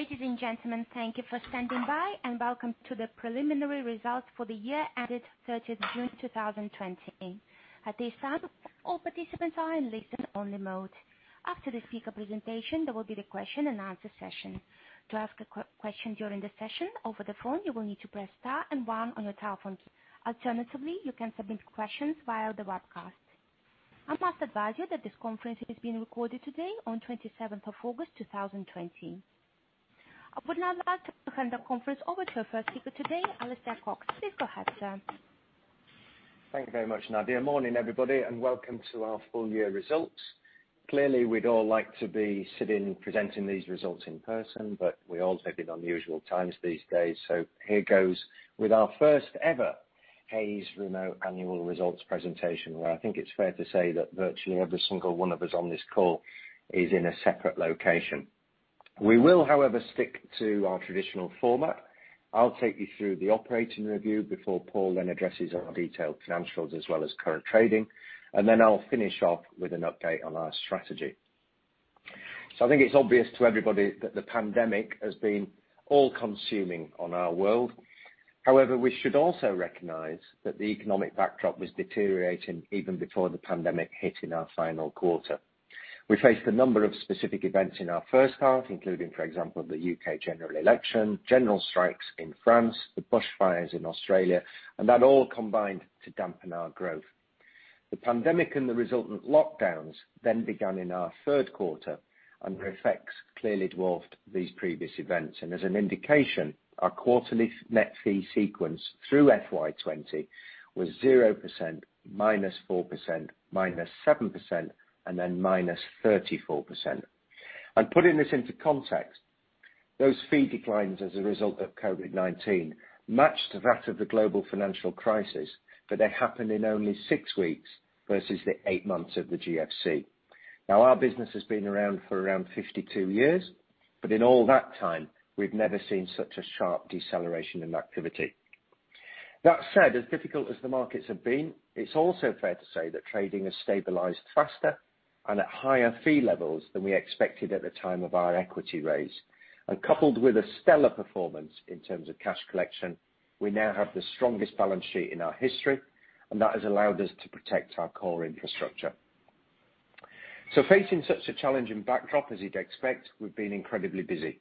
Ladies and gentlemen, thank you for standing by, and welcome to the preliminary results for the year ended 30th June 2020. At this time, all participants are in listen only mode. After the speaker presentation, there will be the question and answer session. To ask a question during the session over the phone, you will need to press star and one on your telephone. Alternatively, you can submit questions via the webcast. I must advise you that this conference is being recorded today on 27th of August, 2020. I would now like to hand the conference over to our first speaker today, Alistair Cox. Please go ahead, sir. Thank you very much, Nadia. Morning, everybody, and welcome to our full year results. Clearly, we'd all like to be sitting, presenting these results in person, but we all live in unusual times these days, so here goes with our first ever Hays remote annual results presentation, where I think it's fair to say that virtually every single one of us on this call is in a separate location. We will, however, stick to our traditional format. I'll take you through the operating review before Paul then addresses our detailed financials as well as current trading, and then I'll finish off with an update on our strategy. I think it's obvious to everybody that the pandemic has been all-consuming on our world. However, we should also recognize that the economic backdrop was deteriorating even before the pandemic hit in our final quarter. We faced a number of specific events in our first half, including, for example, the U.K. general election, general strikes in France, the bushfires in Australia, that all combined to dampen our growth. The pandemic and the resultant lockdowns began in our third quarter, the effects clearly dwarfed these previous events, as an indication, our quarterly net fee sequence through FY 20 was 0%, -4%, -7%, and then -34%. Putting this into context, those fee declines as a result of COVID-19 matched that of the global financial crisis, but they happened in only six weeks versus the eight months of the GFC. Our business has been around for around 52 years, but in all that time, we've never seen such a sharp deceleration in activity. That said, as difficult as the markets have been, it's also fair to say that trading has stabilized faster and at higher fee levels than we expected at the time of our equity raise. Coupled with a stellar performance in terms of cash collection, we now have the strongest balance sheet in our history, and that has allowed us to protect our core infrastructure. Facing such a challenging backdrop, as you'd expect, we've been incredibly busy.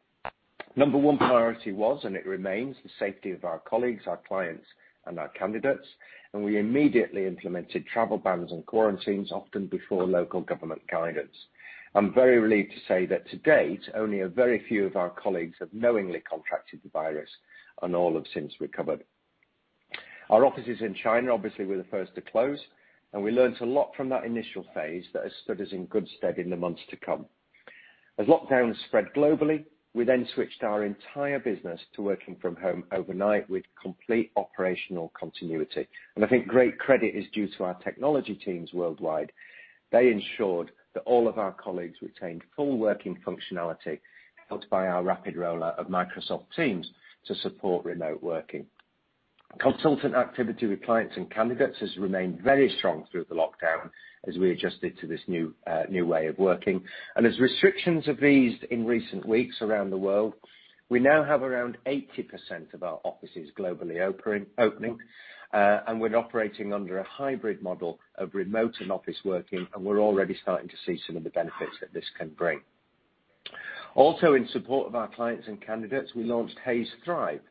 Number one priority was, and it remains, the safety of our colleagues, our clients, and our candidates, and we immediately implemented travel bans and quarantines often before local government guidance. I'm very relieved to say that to date, only a very few of our colleagues have knowingly contracted the virus, and all have since recovered. Our offices in China obviously were the first to close. We learned a lot from that initial phase that has stood us in good stead in the months to come. As lockdowns spread globally, we switched our entire business to working from home overnight with complete operational continuity. I think great credit is due to our technology teams worldwide. They ensured that all of our colleagues retained full working functionality, helped by our rapid rollout of Microsoft Teams to support remote working. Consultant activity with clients and candidates has remained very strong through the lockdown as we adjusted to this new way of working. As restrictions have eased in recent weeks around the world, we now have around 80% of our offices globally opening, and we're operating under a hybrid model of remote and office working, and we're already starting to see some of the benefits that this can bring. Also, in support of our clients and candidates, we launched Hays Thrive.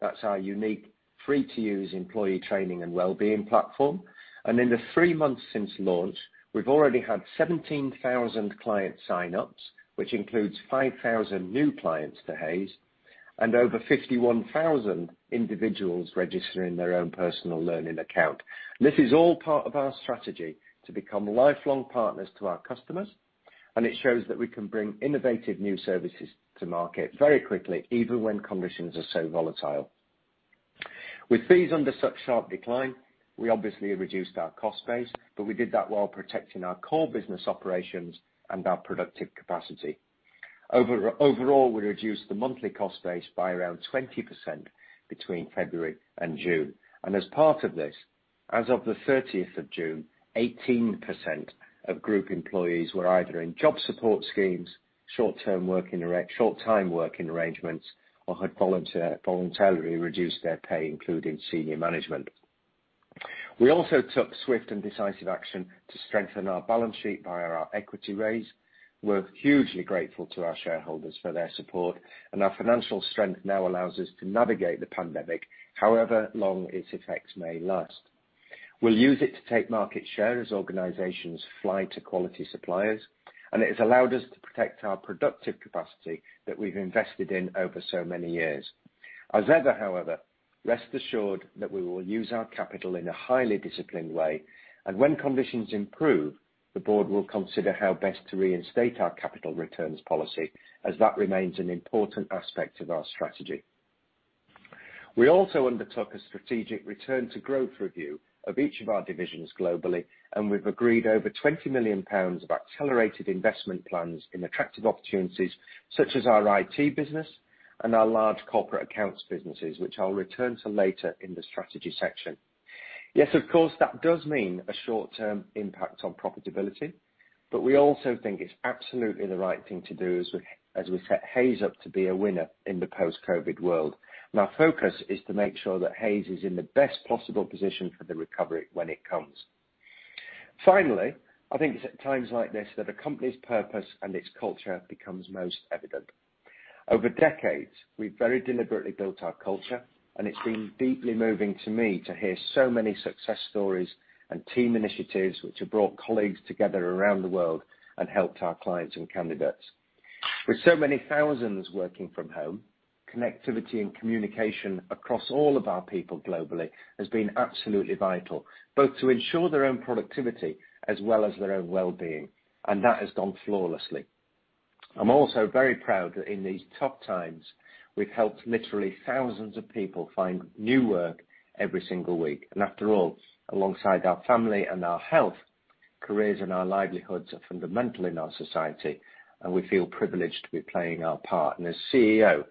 That's our unique free-to-use employee training and wellbeing platform. In the three months since launch, we've already had 17,000 client sign-ups, which includes 5,000 new clients to Hays and over 51,000 individuals registering their own personal learning account. This is all part of our strategy to become lifelong partners to our customers, and it shows that we can bring innovative new services to market very quickly, even when conditions are so volatile. With fees under such sharp decline, we obviously reduced our cost base, but we did that while protecting our core business operations and our productive capacity. Overall, we reduced the monthly cost base by around 20% between February and June. As part of this, as of the 30th of June, 18% of group employees were either in job support schemes, short-term working arrangements, or had voluntarily reduced their pay, including senior management. We also took swift and decisive action to strengthen our balance sheet via our equity raise. We're hugely grateful to our shareholders for their support, and our financial strength now allows us to navigate the pandemic however long its effects may last. We'll use it to take market share as organizations fly to quality suppliers, and it has allowed us to protect our productive capacity that we've invested in over so many years. As ever, however, rest assured that we will use our capital in a highly disciplined way, and when conditions improve, the board will consider how best to reinstate our capital returns policy, as that remains an important aspect of our strategy. We also undertook a strategic return to growth review of each of our divisions globally, and we've agreed over 20 million pounds of accelerated investment plans in attractive opportunities such as our IT business and our large corporate accounts businesses, which I'll return to later in the strategy section. Yes, of course, that does mean a short-term impact on profitability. We also think it's absolutely the right thing to do as we set Hays up to be a winner in the post-COVID world. Our focus is to make sure that Hays is in the best possible position for the recovery when it comes. Finally, I think it's at times like this that a company's purpose and its culture becomes most evident. Over decades, we've very deliberately built our culture, and it's been deeply moving to me to hear so many success stories and team initiatives which have brought colleagues together around the world and helped our clients and candidates. With so many thousands working from home, connectivity and communication across all of our people globally has been absolutely vital, both to ensure their own productivity as well as their own wellbeing, and that has gone flawlessly. I'm also very proud that in these tough times, we've helped literally thousands of people find new work every single week. After all, alongside our family and our health, careers and our livelihoods are fundamental in our society, and we feel privileged to be playing our part. As CEO,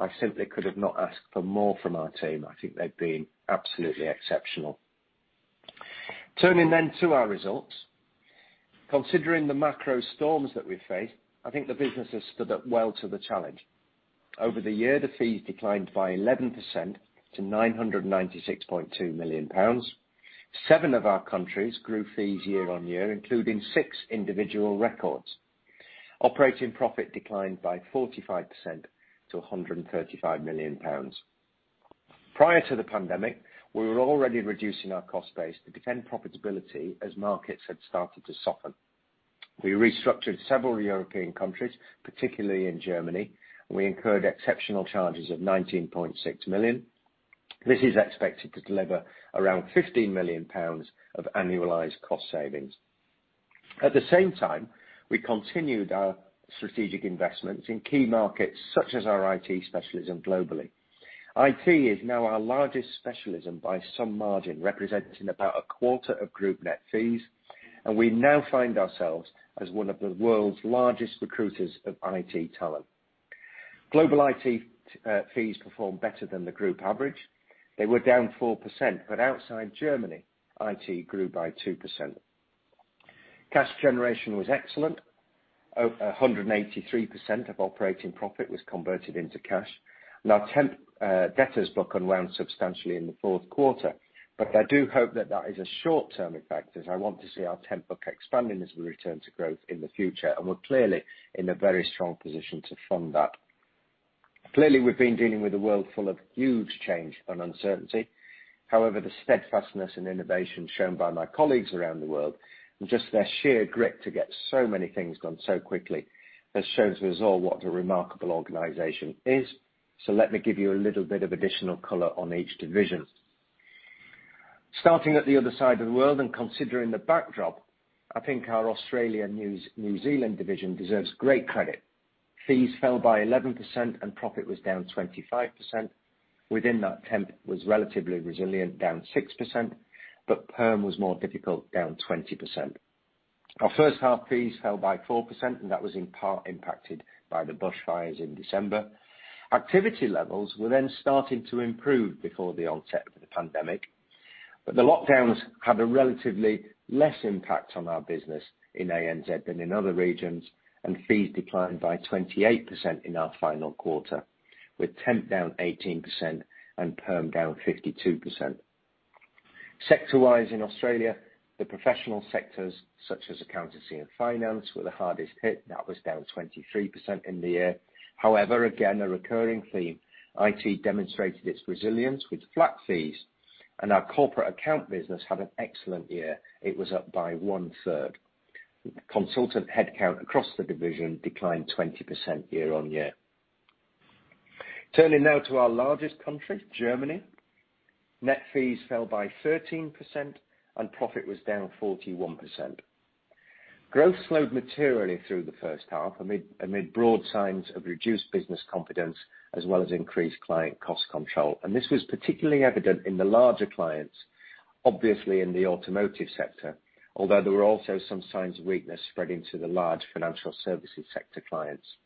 I simply could have not asked for more from our team. I think they've been absolutely exceptional. Turning to our results. Considering the macro storms that we face, I think the business has stood up well to the challenge. Over the year, the fees declined by 11% to 996.2 million pounds. Seven of our countries grew fees year on year, including six individual records. Operating profit declined by 45% to 135 million pounds. Prior to the pandemic, we were already reducing our cost base to defend profitability as markets had started to soften. We restructured several European countries, particularly in Germany, and we incurred exceptional charges of 19.6 million. This is expected to deliver around 15 million pounds of annualized cost savings. At the same time, we continued our strategic investments in key markets such as our IT specialism globally. IT is now our largest specialism by some margin, representing about a quarter of group net fees, and we now find ourselves as one of the world's largest recruiters of IT talent. Global IT fees performed better than the group average. They were down 4%, but outside Germany, IT grew by 2%. Cash generation was excellent. 183% of operating profit was converted into cash, and our temp debtors book unwound substantially in the fourth quarter. I do hope that that is a short-term effect, as I want to see our temp book expanding as we return to growth in the future, and we're clearly in a very strong position to fund that. Clearly, we've been dealing with a world full of huge change and uncertainty. However, the steadfastness and innovation shown by my colleagues around the world, and just their sheer grit to get so many things done so quickly, has shown to us all what a remarkable organization it is. Let me give you a little bit of additional color on each division. Starting at the other side of the world and considering the backdrop, I think our Australia-New Zealand division deserves great credit. Fees fell by 11% and profit was down 25%. Within that, temp was relatively resilient, down 6%, but perm was more difficult, down 20%. Our first half fees fell by 4%, and that was in part impacted by the bushfires in December. Activity levels were starting to improve before the onset of the pandemic, but the lockdowns had a relatively less impact on our business in ANZ than in other regions, and fees declined by 28% in our final quarter, with temp down 18% and perm down 52%. Sector-wise, in Australia, the professional sectors, such as accountancy and finance, were the hardest hit. That was down 23% in the year. However, again, a recurring theme, IT demonstrated its resilience with flat fees, and our corporate account business had an excellent year. It was up by 1/3. Consultant headcount across the division declined 20% year-on-year. Turning now to our largest country, Germany. Net fees fell by 13% and profit was down 41%. Growth slowed materially through the first half amid broad signs of reduced business confidence as well as increased client cost control. This was particularly evident in the larger clients, obviously in the automotive sector, although there were also some signs of weakness spreading to the large financial services sector clients.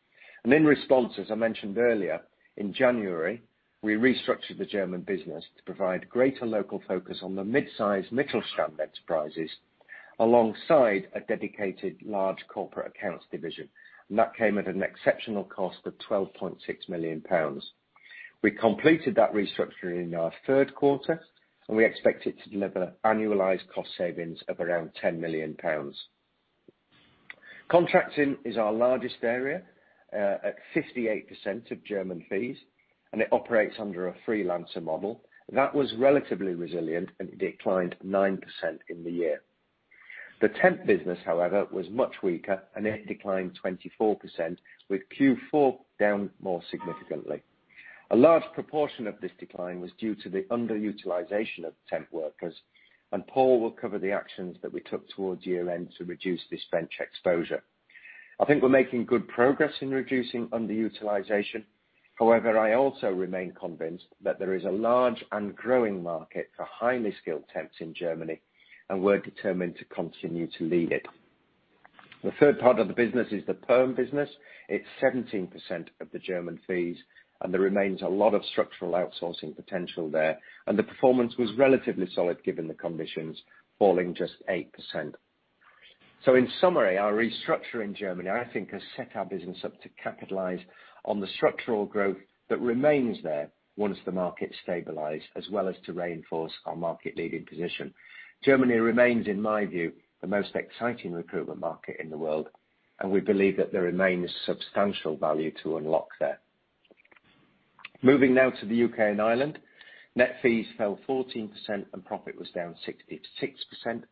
In response, as I mentioned earlier, in January, we restructured the German business to provide greater local focus on the mid-size Mittelstand enterprises alongside a dedicated large corporate accounts division. That came at an exceptional cost of 12.6 million pounds. We completed that restructuring in our third quarter, and we expect it to deliver annualized cost savings of around 10 million pounds. Contracting is our largest area at 58% of German fees, and it operates under a freelancer model. That was relatively resilient and declined 9% in the year. The temp business, however, was much weaker, and it declined 24%, with Q4 down more significantly. A large proportion of this decline was due to the underutilization of temp workers, and Paul will cover the actions that we took towards year-end to reduce this bench exposure. I think we're making good progress in reducing underutilization. However, I also remain convinced that there is a large and growing market for highly skilled temps in Germany, and we're determined to continue to lead it. The third part of the business is the perm business. It's 17% of the German fees, and there remains a lot of structural outsourcing potential there, and the performance was relatively solid given the conditions, falling just 8%. In summary, our restructure in Germany, I think, has set our business up to capitalize on the structural growth that remains there once the markets stabilize, as well as to reinforce our market-leading position. Germany remains, in my view, the most exciting recruitment market in the world, and we believe that there remains substantial value to unlock there. Moving now to the U.K. and Ireland, net fees fell 14% and profit was down 66%.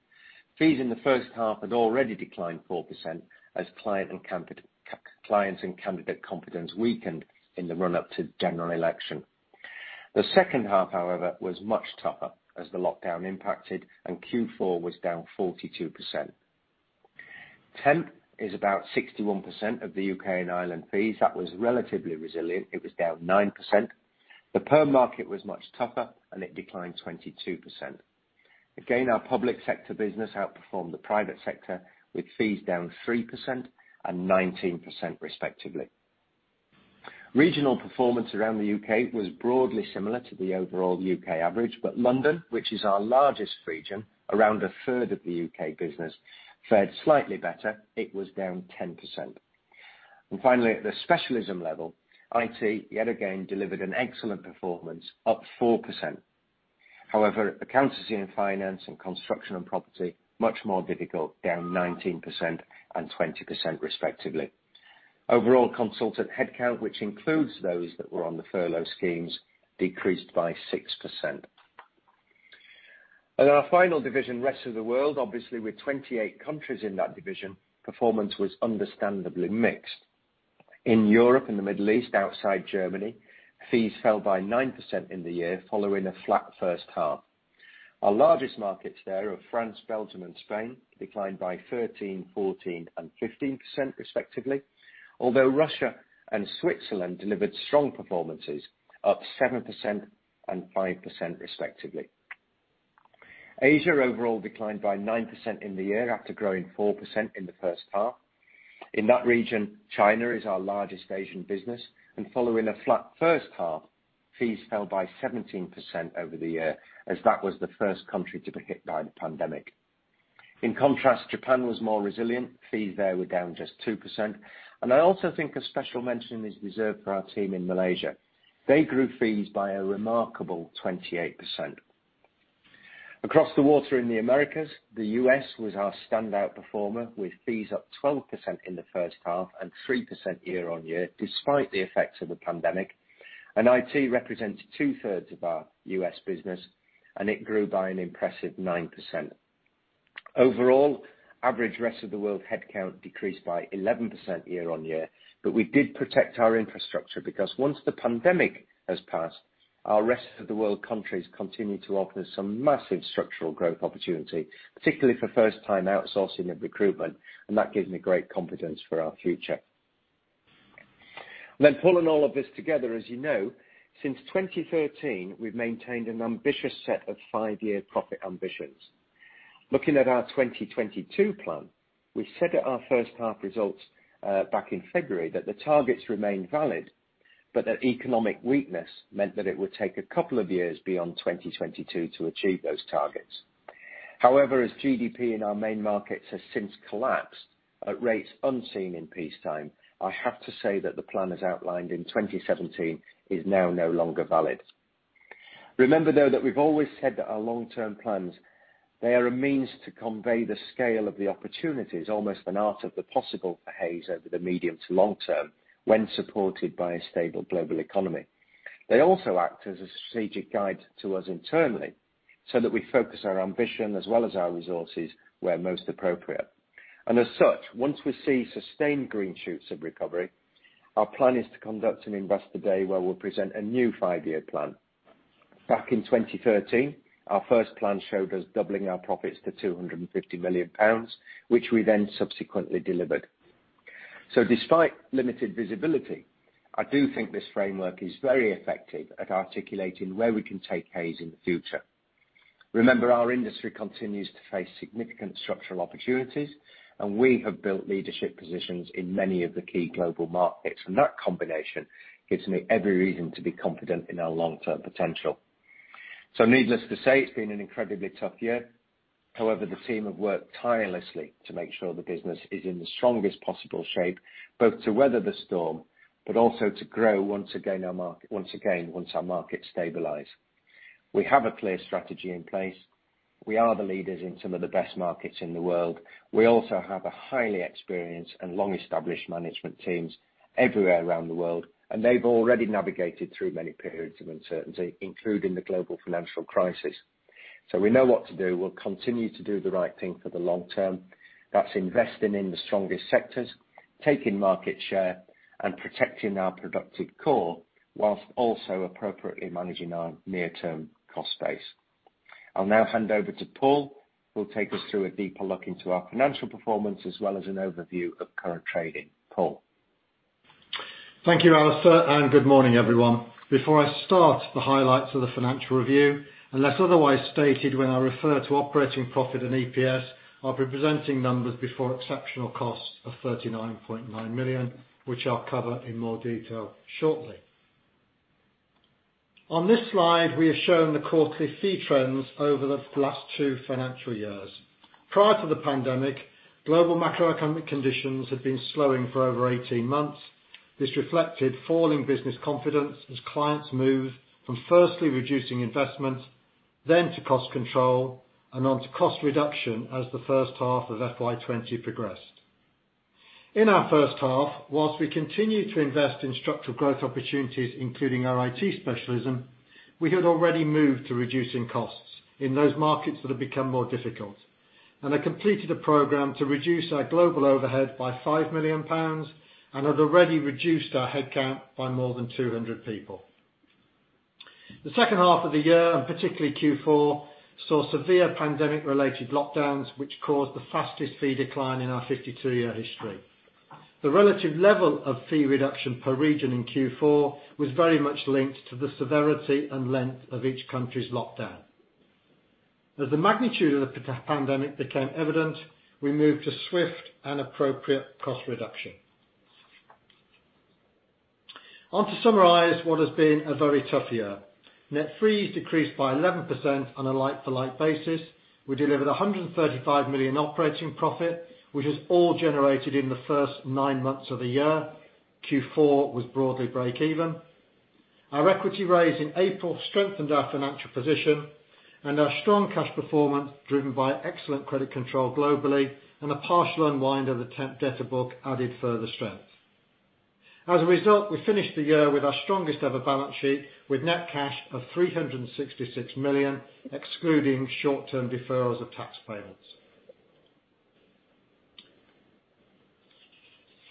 Fees in the first half had already declined 4% as clients and candidate confidence weakened in the run-up to the general election. The second half, however, was much tougher as the lockdown impacted and Q4 was down 42%. Temp is about 61% of the U.K. and Ireland fees. That was relatively resilient. It was down 9%. The perm market was much tougher and it declined 22%. Again, our public sector business outperformed the private sector, with fees down 3% and 19%, respectively. Regional performance around the U.K. was broadly similar to the overall U.K. average. London, which is our largest region, around a third of the U.K. business, fared slightly better. It was down 10%. Finally, at the specialism level, IT, yet again, delivered an excellent performance, up 4%. However, accounts receivable and finance and construction and property, much more difficult, down 19% and 20% respectively. Overall consultant headcount, which includes those that were on the furlough schemes, decreased by 6%. Our final division, rest of the world, obviously with 28 countries in that division, performance was understandably mixed. In Europe and the Middle East, outside Germany, fees fell by 9% in the year following a flat first half. Our largest markets there are France, Belgium, and Spain, declined by 13%, 14%, and 15%, respectively. Although Russia and Switzerland delivered strong performances, up 7% and 5% respectively. Asia overall declined by 9% in the year after growing 4% in the first half. In that region, China is our largest Asian business, following a flat first half, fees fell by 17% over the year as that was the first country to be hit by the pandemic. In contrast, Japan was more resilient. Fees there were down just 2%. I also think a special mention is reserved for our team in Malaysia. They grew fees by a remarkable 28%. Across the water in the Americas, the U.S. was our standout performer, with fees up 12% in the first half and 3% year on year, despite the effects of the pandemic. IT represented two-thirds of our U.S. business, and it grew by an impressive 9%. Overall, average rest of the world headcount decreased by 11% year-on-year. We did protect our infrastructure because once the pandemic has passed, our rest of the world countries continue to offer some massive structural growth opportunity, particularly for first-time outsourcing of recruitment. That gives me great confidence for our future. Pulling all of this together, as you know, since 2013, we've maintained an ambitious set of five-year profit ambitions. Looking at our 2022 plan, we said at our first half results back in February that the targets remained valid. That economic weakness meant that it would take a couple of years beyond 2022 to achieve those targets. As GDP in our main markets has since collapsed at rates unseen in peacetime, I have to say that the plan as outlined in 2017 is now no longer valid. Remember, though, that we've always said that our long-term plans, they are a means to convey the scale of the opportunities, almost an art of the possible for Hays over the medium to long term when supported by a stable global economy. They also act as a strategic guide to us internally so that we focus our ambition as well as our resources where most appropriate. As such, once we see sustained green shoots of recovery, our plan is to conduct an investor day where we'll present a new five-year plan. Back in 2013, our first plan showed us doubling our profits to 250 million pounds, which we then subsequently delivered. Despite limited visibility, I do think this framework is very effective at articulating where we can take Hays in the future. Remember, our industry continues to face significant structural opportunities, we have built leadership positions in many of the key global markets, that combination gives me every reason to be confident in our long-term potential. Needless to say, it's been an incredibly tough year. However, the team have worked tirelessly to make sure the business is in the strongest possible shape, both to weather the storm, but also to grow once again, once our markets stabilize. We have a clear strategy in place. We are the leaders in some of the best markets in the world. We also have a highly experienced and long-established management teams everywhere around the world, they've already navigated through many periods of uncertainty, including the Global Financial Crisis. We know what to do. We'll continue to do the right thing for the long term. That's investing in the strongest sectors, taking market share, and protecting our productive core, while also appropriately managing our near-term cost base. I'll now hand over to Paul, who'll take us through a deeper look into our financial performance, as well as an overview of current trading. Paul. Thank you, Alistair, and good morning, everyone. Before I start the highlights of the financial review, unless otherwise stated, when I refer to operating profit and EPS, I'll be presenting numbers before exceptional costs of 39.9 million, which I'll cover in more detail shortly. On this slide, we have shown the quarterly fee trends over the last two financial years. Prior to the pandemic, global macroeconomic conditions had been slowing for over 18 months. This reflected falling business confidence as clients moved from firstly reducing investment, then to cost control, and onto cost reduction as the first half of FY 2020 progressed. In our first half, whilst we continued to invest in structural growth opportunities, including our IT specialism, we had already moved to reducing costs in those markets that have become more difficult, and had completed a program to reduce our global overhead by 5 million pounds and had already reduced our headcount by more than 200 people. The second half of the year, and particularly Q4, saw severe pandemic-related lockdowns, which caused the fastest fee decline in our 52-year history. The relative level of fee reduction per region in Q4 was very much linked to the severity and length of each country's lockdown. As the magnitude of the pandemic became evident, we moved to swift and appropriate cost reduction. On to summarize what has been a very tough year. Net fees decreased by 11% on a like-for-like basis. We delivered 135 million operating profit, which was all generated in the first nine months of the year. Q4 was broadly break even. Our equity raise in April strengthened our financial position, and our strong cash performance, driven by excellent credit control globally and a partial unwind of the temp debtor book added further strength. As a result, we finished the year with our strongest ever balance sheet, with net cash of 366 million, excluding short-term deferrals of tax payments.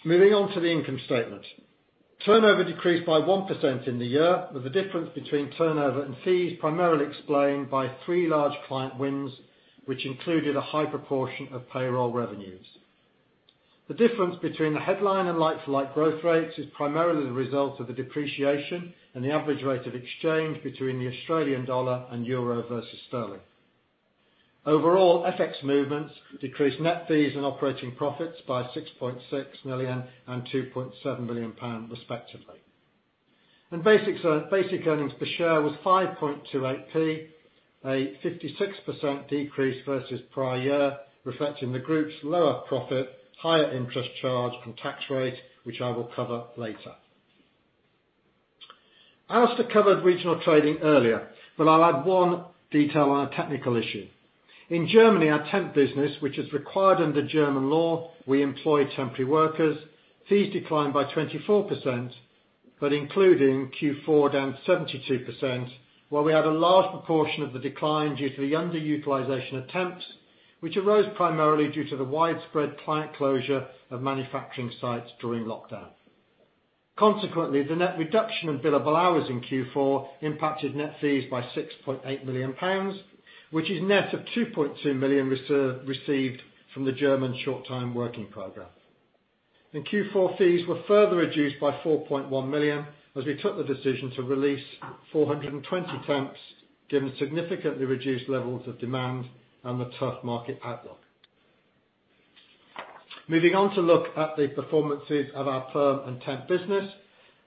Moving on to the income statement. Turnover decreased by 1% in the year, with the difference between turnover and fees primarily explained by three large client wins, which included a high proportion of payroll revenues. The difference between the headline and like-for-like growth rates is primarily the result of the depreciation and the average rate of exchange between the Australian dollar and euro versus sterling. Overall, FX movements decreased net fees and operating profits by 6.6 million and 2.7 million pounds, respectively. Basic earnings per share was 0.0528, a 56% decrease versus prior year, reflecting the group's lower profit, higher interest charge and tax rate, which I will cover later. Alistair covered regional trading earlier, but I'll add one detail on a technical issue. In Germany, our temp business, which is required under German law, we employ temporary workers. Fees declined by 24%, but including Q4 down 72%, where we had a large proportion of the decline due to the underutilization of temps, which arose primarily due to the widespread client closure of manufacturing sites during lockdown. Consequently, the net reduction in billable hours in Q4 impacted net fees by 6.8 million pounds, which is net of 2.2 million received from the German short-time working program. In Q4, fees were further reduced by 4.1 million as we took the decision to release 420 temps given significantly reduced levels of demand and the tough market outlook. Moving on to look at the performances of our perm and temp business.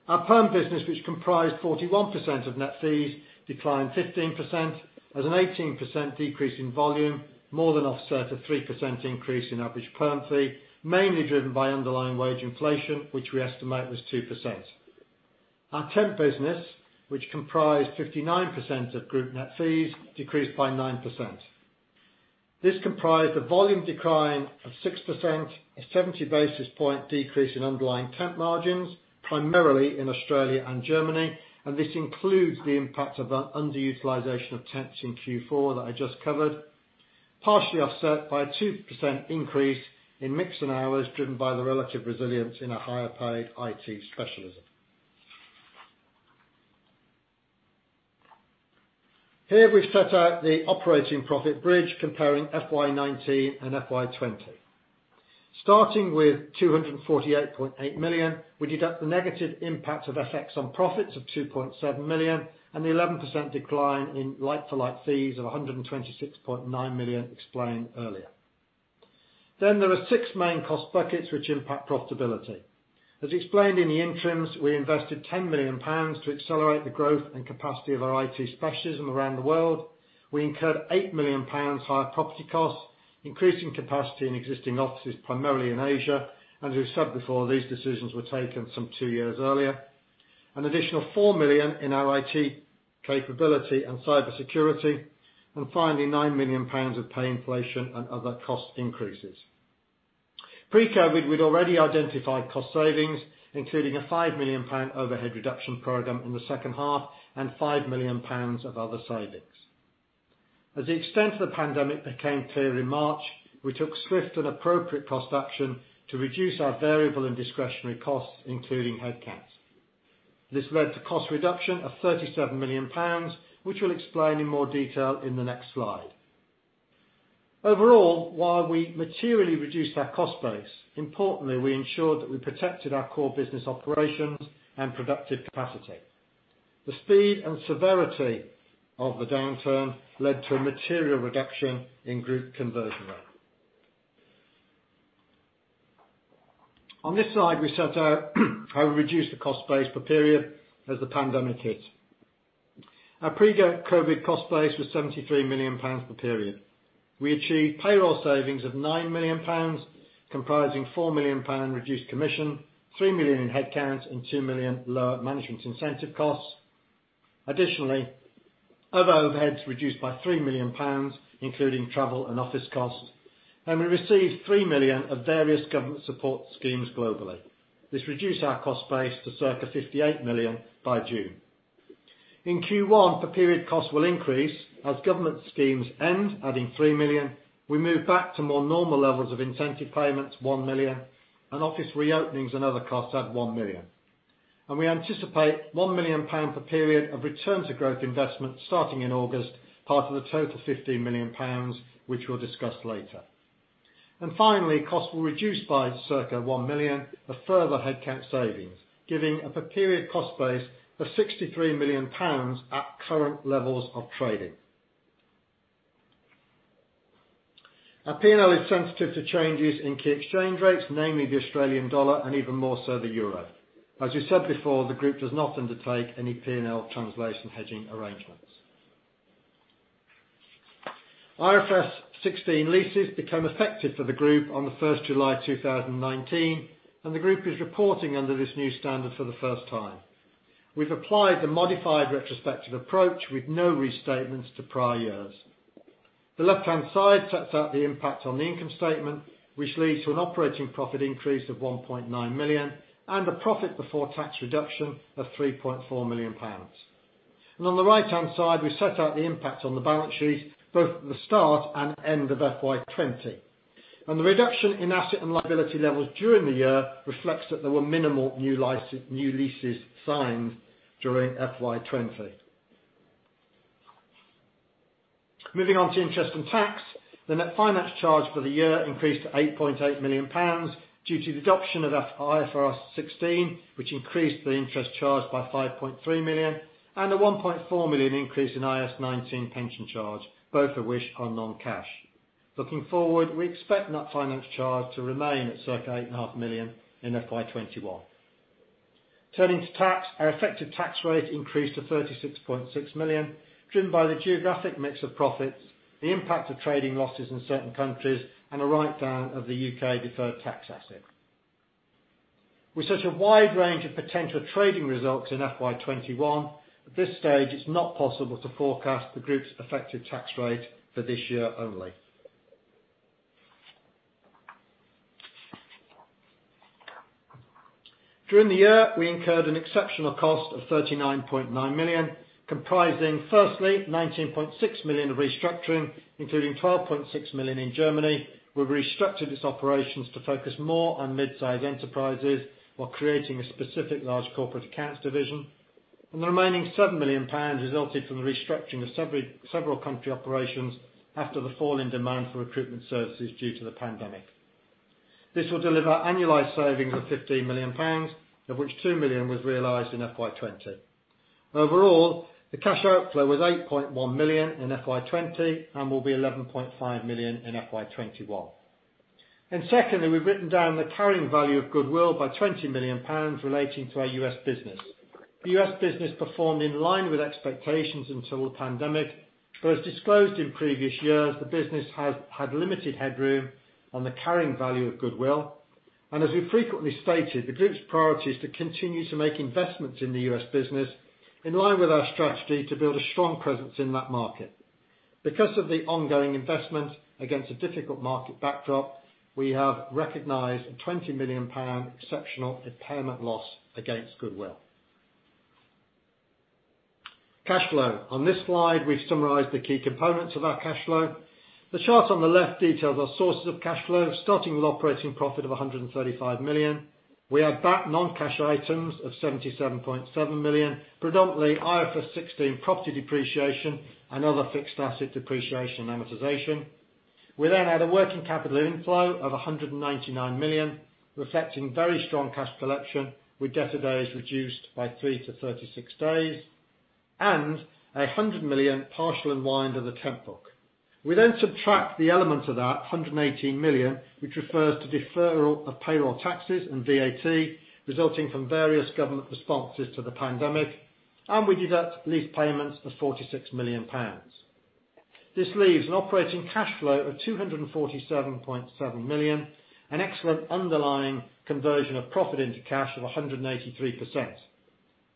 Our perm business, which comprised 41% of net fees, declined 15% as an 18% decrease in volume more than offset a 3% increase in average perm fee, mainly driven by underlying wage inflation, which we estimate was 2%. Our temp business, which comprised 59% of group net fees, decreased by 9%. This comprised a volume decline of 6%, a 70 basis point decrease in underlying temp margins, primarily in Australia and Germany, and this includes the impact of the underutilization of temps in Q4 that I just covered, partially offset by a 2% increase in mix and hours driven by the relative resilience in our higher paid IT specialism. Here we've set out the operating profit bridge comparing FY 2019 and FY 2020. Starting with 248.8 million, we deduct the negative impact of FX on profits of 2.7 million and the 11% decline in like-for-like fees of 126.9 million explained earlier. There are six main cost buckets which impact profitability. As explained in the interims, we invested 10 million pounds to accelerate the growth and capacity of our IT specialism around the world. We incurred 8 million pounds higher property costs, increasing capacity in existing offices, primarily in Asia. As we said before, these decisions were taken some two years earlier. An additional 4 million in our IT capability and cybersecurity, and finally, 9 million pounds of pay inflation and other cost increases. Pre-COVID, we'd already identified cost savings, including a 5 million pound overhead reduction program in the second half and 5 million pounds of other savings. As the extent of the pandemic became clear in March, we took swift and appropriate cost action to reduce our variable and discretionary costs, including headcounts. This led to cost reduction of 37 million pounds, which we'll explain in more detail in the next slide. Overall, while we materially reduced our cost base, importantly, we ensured that we protected our core business operations and productive capacity. The speed and severity of the downturn led to a material reduction in group conversion rate. On this slide, we set out how we reduced the cost base per period as the pandemic hit. Our pre-COVID cost base was GBP 73 million per period. We achieved payroll savings of GBP 9 million, comprising GBP 4 million reduced commission, GBP 3 million in headcounts, and GBP 2 million lower management incentive costs. Additionally, other overheads reduced by 3 million pounds, including travel and office costs, and we received 3 million of various government support schemes globally. This reduced our cost base to circa 58 million by June. In Q1, per-period costs will increase as government schemes end, adding 3 million. We move back to more normal levels of incentive payments, 1 million, and office re-openings and other costs add 1 million. We anticipate 1 million pounds per period of return-to-growth investment starting in August, part of the total 15 million pounds, which we'll discuss later. Finally, costs will reduce by circa 1 million, a further headcount savings, giving a per-period cost base of 63 million pounds at current levels of trading. Our P&L is sensitive to changes in key exchange rates, namely the Australian dollar and even more so the euro. As we said before, the group does not undertake any P&L translation hedging arrangements. IFRS 16 leases became effective for the group on the 1st July 2019. The group is reporting under this new standard for the first time. We've applied the modified retrospective approach with no restatements to prior years. The left-hand side sets out the impact on the income statement, which leads to an operating profit increase of 1.9 million and a profit before tax reduction of 3.4 million pounds. On the right-hand side, we set out the impact on the balance sheet, both at the start and end of FY 20. The reduction in asset and liability levels during the year reflects that there were minimal new leases signed during FY 20. Moving on to interest and tax. The net finance charge for the year increased to 8.8 million pounds due to the adoption of IFRS 16, which increased the interest charged by 5.3 million, and a 1.4 million increase in IAS 19 pension charge, both of which are non-cash. Looking forward, we expect net finance charge to remain at circa 8.5 million in FY21. Turning to tax, our effective tax rate increased to 36.6 million, driven by the geographic mix of profits, the impact of trading losses in certain countries, and a write-down of the U.K. deferred tax asset. With such a wide range of potential trading results in FY21, at this stage, it's not possible to forecast the group's effective tax rate for this year only. During the year, we incurred an exceptional cost of 39.9 million, comprising firstly, 19.6 million of restructuring, including 12.6 million in Germany, where we restructured its operations to focus more on mid-size enterprises while creating a specific large corporate accounts division. The remaining 7 million pounds resulted from the restructuring of several country operations after the fall in demand for recruitment services due to the pandemic. This will deliver annualized savings of 15 million pounds, of which 2 million was realized in FY 2020. Overall, the cash outflow was 8.1 million in FY 2020 and will be 11.5 million in FY 2021. Secondly, we've written down the carrying value of goodwill by 20 million pounds relating to our U.S. business. The U.S. business performed in line with expectations until the pandemic, but as disclosed in previous years, the business had limited headroom on the carrying value of goodwill. As we frequently stated, the group's priority is to continue to make investments in the U.S. business in line with our strategy to build a strong presence in that market. Because of the ongoing investments against a difficult market backdrop, we have recognized a 20 million pound exceptional impairment loss against goodwill. Cash flow. On this slide, we've summarized the key components of our cash flow. The chart on the left details our sources of cash flow, starting with operating profit of 135 million. We add back non-cash items of 77.7 million, predominantly IFRS 16 property depreciation and other fixed asset depreciation amortization. We had a working capital inflow of 199 million, reflecting very strong cash collection, with debtor days is reduced by 3-36 days, and 100 million partial unwind of the temp book. We subtract the element of that 118 million, which refers to deferral of payroll taxes and VAT, resulting from various government responses to the pandemic, and we deduct lease payments of 46 million pounds. This leaves an operating cash flow of 247.7 million, an excellent underlying conversion of profit into cash of 183%.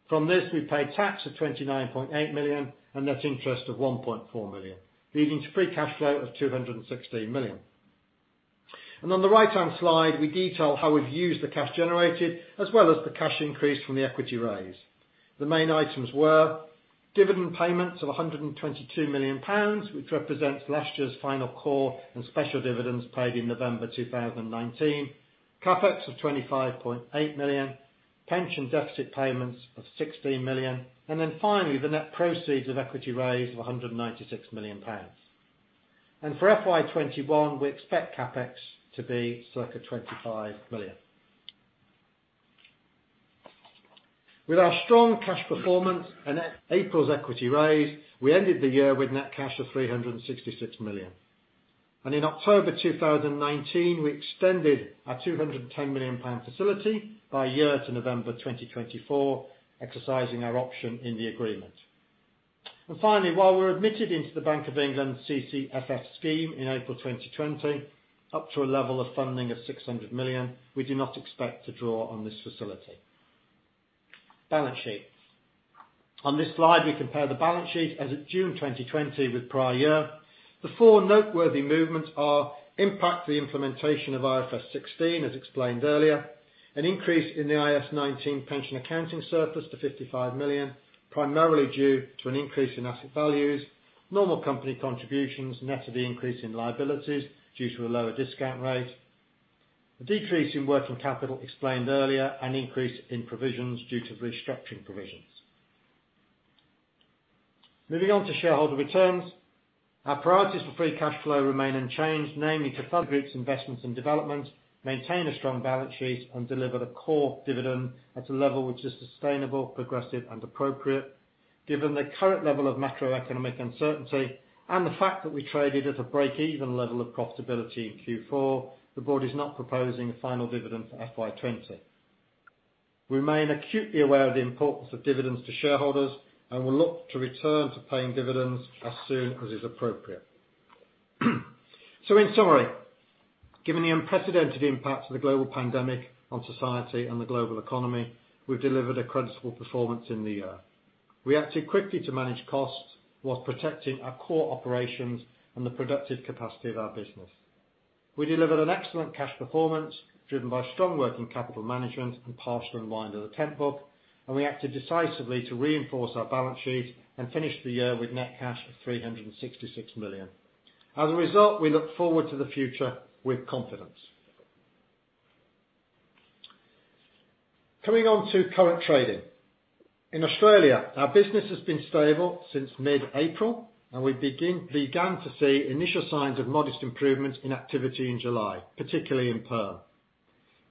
From this, we pay tax of 29.8 million and net interest of 1.4 million, leading to free cash flow of 216 million. On the right-hand slide, we detail how we've used the cash generated as well as the cash increase from the equity raise. The main items were dividend payments of 122 million pounds, which represents last year's final core and special dividends paid in November 2019, CapEx of 25.8 million, pension deficit payments of 16 million, and then finally, the net proceeds of equity raise of 196 million pounds. For FY 2021, we expect CapEx to be circa 25 million. With our strong cash performance and April's equity raise, we ended the year with net cash of 366 million. In October 2019, we extended our 210 million pound facility by a year to November 2024, exercising our option in the agreement. Finally, while we were admitted into the Bank of England CCFF scheme in April 2020, up to a level of funding of 600 million, we do not expect to draw on this facility. Balance sheet. On this slide, we compare the balance sheet as of June 2020 with prior year. The four noteworthy movements are impact to the implementation of IFRS 16, as explained earlier, an increase in the IAS 19 pension accounting surplus to 55 million, primarily due to an increase in asset values, normal company contributions net of the increase in liabilities due to a lower discount rate. A decrease in working capital explained earlier, an increase in provisions due to restructuring provisions. Moving on to shareholder returns. Our priorities for free cash flow remain unchanged, namely to fund the group's investments and development, maintain a strong balance sheet, and deliver the core dividend at a level which is sustainable, progressive and appropriate. Given the current level of macroeconomic uncertainty and the fact that we traded at a break-even level of profitability in Q4, the board is not proposing a final dividend for FY 20. We remain acutely aware of the importance of dividends to shareholders, and will look to return to paying dividends as soon as is appropriate. Given the unprecedented impact of the global pandemic on society and the global economy, we've delivered a creditable performance in the year. We acted quickly to manage costs while protecting our core operations and the productive capacity of our business. We delivered an excellent cash performance, driven by strong working capital management and partial unwind of the temp book, and we acted decisively to reinforce our balance sheet and finish the year with net cash of 366 million. As a result, we look forward to the future with confidence. Coming on to current trading. In Australia, our business has been stable since mid-April, and we began to see initial signs of modest improvements in activity in July, particularly in perm.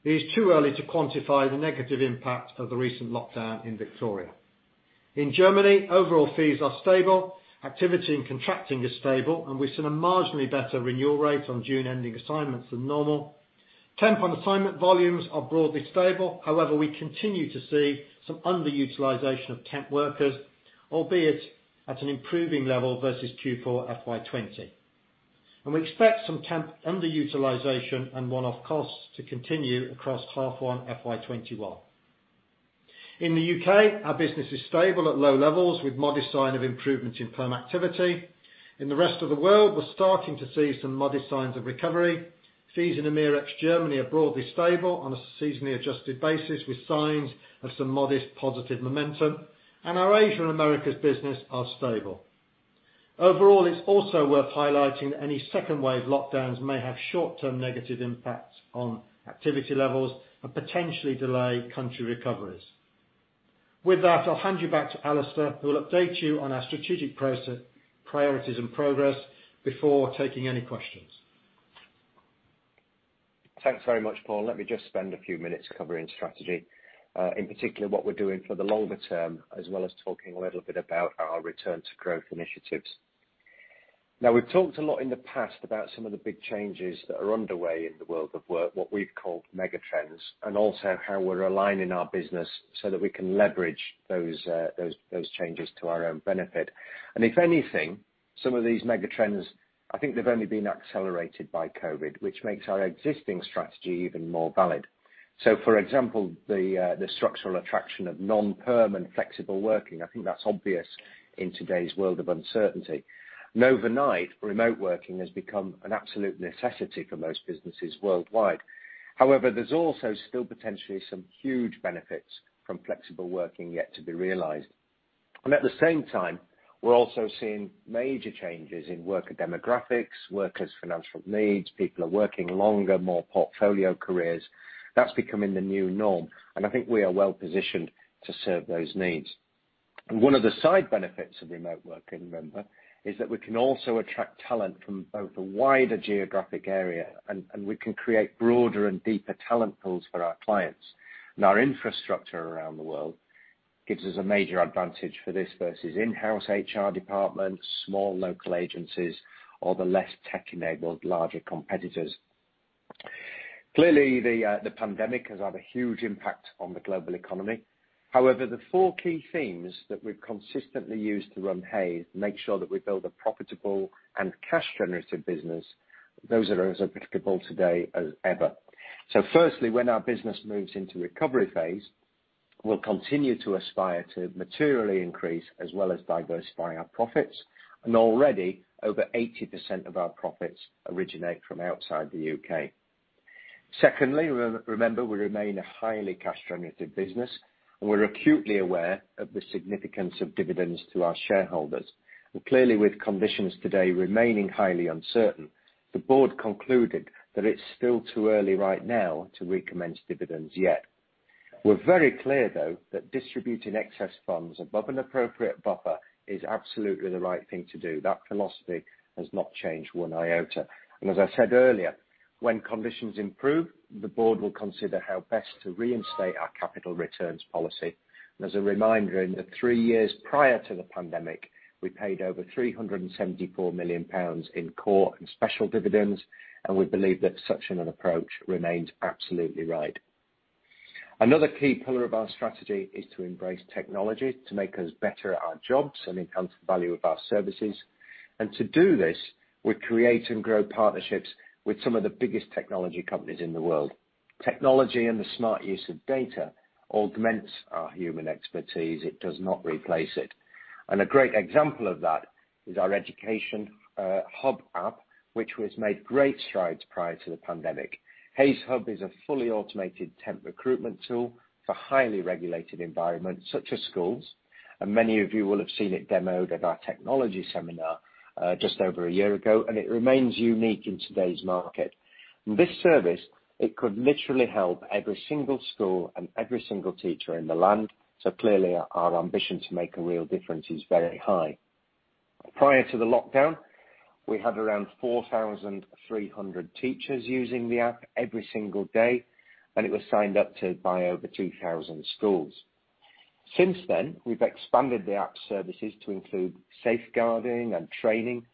It is too early to quantify the negative impact of the recent lockdown in Victoria. In Germany, overall fees are stable, activity and contracting is stable, we've seen a marginally better renewal rate on June-ending assignments than normal. Temp on assignment volumes are broadly stable. However, we continue to see some underutilization of temp workers, albeit at an improving level versus Q4 FY 2020. We expect some temp underutilization and one-off costs to continue across half one FY 2021. In the U.K., our business is stable at low levels with modest sign of improvement in perm activity. In the rest of the world, we're starting to see some modest signs of recovery. Fees in EMEA ex Germany are broadly stable on a seasonally adjusted basis with signs of some modest positive momentum. Our Asia and Americas business are stable. Overall, it's also worth highlighting any second wave lockdowns may have short-term negative impacts on activity levels and potentially delay country recoveries. With that, I'll hand you back to Alistair, who will update you on our strategic priorities and progress before taking any questions. Thanks very much, Paul. Let me just spend a few minutes covering strategy, in particular what we're doing for the longer term, as well as talking a little bit about our return to growth initiatives. We've talked a lot in the past about some of the big changes that are underway in the world of work, what we've called mega trends, and also how we're aligning our business so that we can leverage those changes to our own benefit. If anything, some of these mega trends, I think they've only been accelerated by COVID, which makes our existing strategy even more valid. For example, the structural attraction of non-perm and flexible working, I think that's obvious in today's world of uncertainty. Overnight, remote working has become an absolute necessity for most businesses worldwide. However, there's also still potentially some huge benefits from flexible working yet to be realized. At the same time, we're also seeing major changes in worker demographics, workers' financial needs. People are working longer, more portfolio careers. That's becoming the new norm, and I think we are well-positioned to serve those needs. One of the side benefits of remote working, remember, is that we can also attract talent from both a wider geographic area, and we can create broader and deeper talent pools for our clients. Our infrastructure around the world gives us a major advantage for this versus in-house HR departments, small local agencies, or the less tech-enabled larger competitors. Clearly, the pandemic has had a huge impact on the global economy. However, the four key themes that we've consistently used to run Hays make sure that we build a profitable and cash generative business. Those are as applicable today as ever. Firstly, when our business moves into recovery phase, we'll continue to aspire to materially increase as well as diversifying our profits, and already over 80% of our profits originate from outside the U.K. Secondly, remember, we remain a highly cash generative business, and we're acutely aware of the significance of dividends to our shareholders. Clearly, with conditions today remaining highly uncertain, the board concluded that it's still too early right now to recommence dividends yet. We're very clear, though, that distributing excess funds above an appropriate buffer is absolutely the right thing to do. That philosophy has not changed one iota. As I said earlier, when conditions improve, the board will consider how best to reinstate our capital returns policy. As a reminder, in the three years prior to the pandemic, we paid over 374 million pounds in core and special dividends, and we believe that such an approach remains absolutely right. Another key pillar of our strategy is to embrace technology to make us better at our jobs and enhance the value of our services. To do this, we create and grow partnerships with some of the biggest technology companies in the world. Technology and the smart use of data augments our human expertise, it does not replace it. A great example of that is our Hays Hub app, which was made great strides prior to the pandemic. Hays Hub is a fully automated temp recruitment tool for highly regulated environments such as schools. Many of you will have seen it demoed at our technology seminar just over a year ago. It remains unique in today's market. This service, it could literally help every single school and every single teacher in the land. Clearly, our ambition to make a real difference is very high. Prior to the lockdown, we had around 4,300 teachers using the app every single day. It was signed up to by over 2,000 schools. Since then, we've expanded the app's services to include safeguarding and training.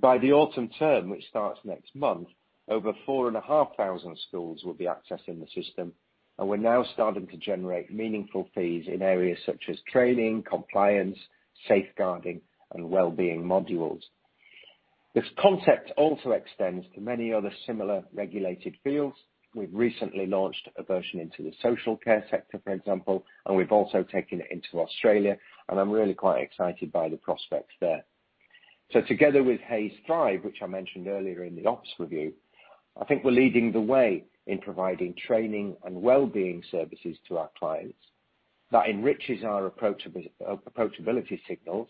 By the autumn term, which starts next month, over 4,500 schools will be accessing the system. We're now starting to generate meaningful fees in areas such as training, compliance, safeguarding, and wellbeing modules. This concept also extends to many other similar regulated fields. We've recently launched a version into the social care sector, for example, and we've also taken it into Australia, and I'm really quite excited by the prospects there. Together with Hays Thrive, which I mentioned earlier in the ops review, I think we're leading the way in providing training and wellbeing services to our clients that enriches our approachability signals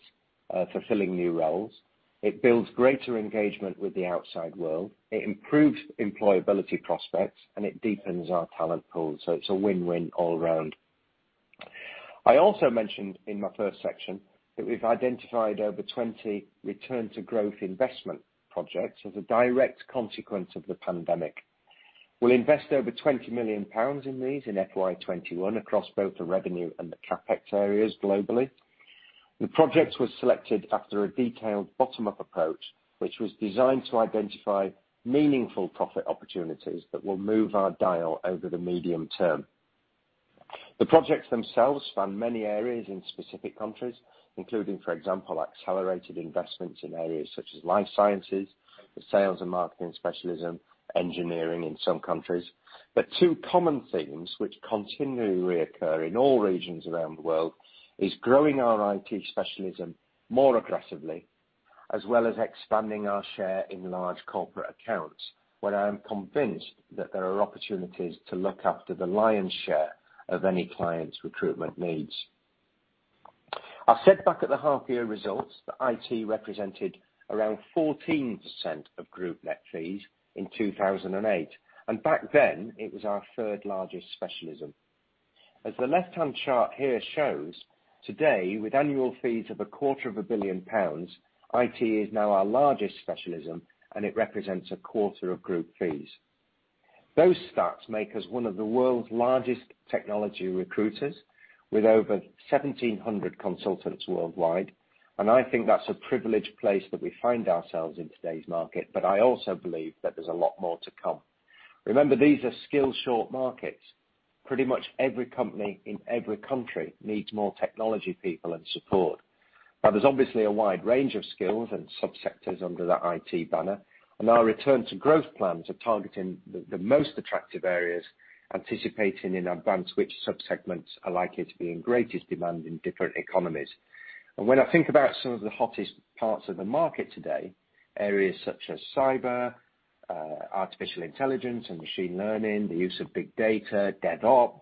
for filling new roles. It builds greater engagement with the outside world, it improves employability prospects, and it deepens our talent pool. It's a win-win all around. I also mentioned in my first section that we've identified over 20 return to growth investment projects as a direct consequence of the pandemic. We'll invest over 20 million pounds in these in FY21 across both the revenue and the CapEx areas globally. The projects were selected after a detailed bottom-up approach, which was designed to identify meaningful profit opportunities that will move our dial over the medium term. The projects themselves span many areas in specific countries, including, for example, accelerated investments in areas such as life sciences, the sales and marketing specialism, engineering in some countries. Two common themes which continually reoccur in all regions around the world is growing our IT specialism more aggressively, as well as expanding our share in large corporate accounts, where I am convinced that there are opportunities to look after the lion's share of any client's recruitment needs. I said back at the half-year results that IT represented around 14% of group net fees in 2008. Back then, it was our third-largest specialism. As the left-hand chart here shows, today, with annual fees of a quarter of a billion pounds, IT is now our largest specialism, and it represents a quarter of group fees. Those stats make us one of the world's largest technology recruiters with over 1,700 consultants worldwide. I think that's a privileged place that we find ourselves in today's market. I also believe that there's a lot more to come. Remember, these are skill short markets. Pretty much every company in every country needs more technology people and support. Now, there's obviously a wide range of skills and subsectors under that IT banner, and our return to growth plans are targeting the most attractive areas, anticipating in advance which subsegments are likely to be in greatest demand in different economies. When I think about some of the hottest parts of the market today, areas such as cyber, artificial intelligence and machine learning, the use of big data, DevOps,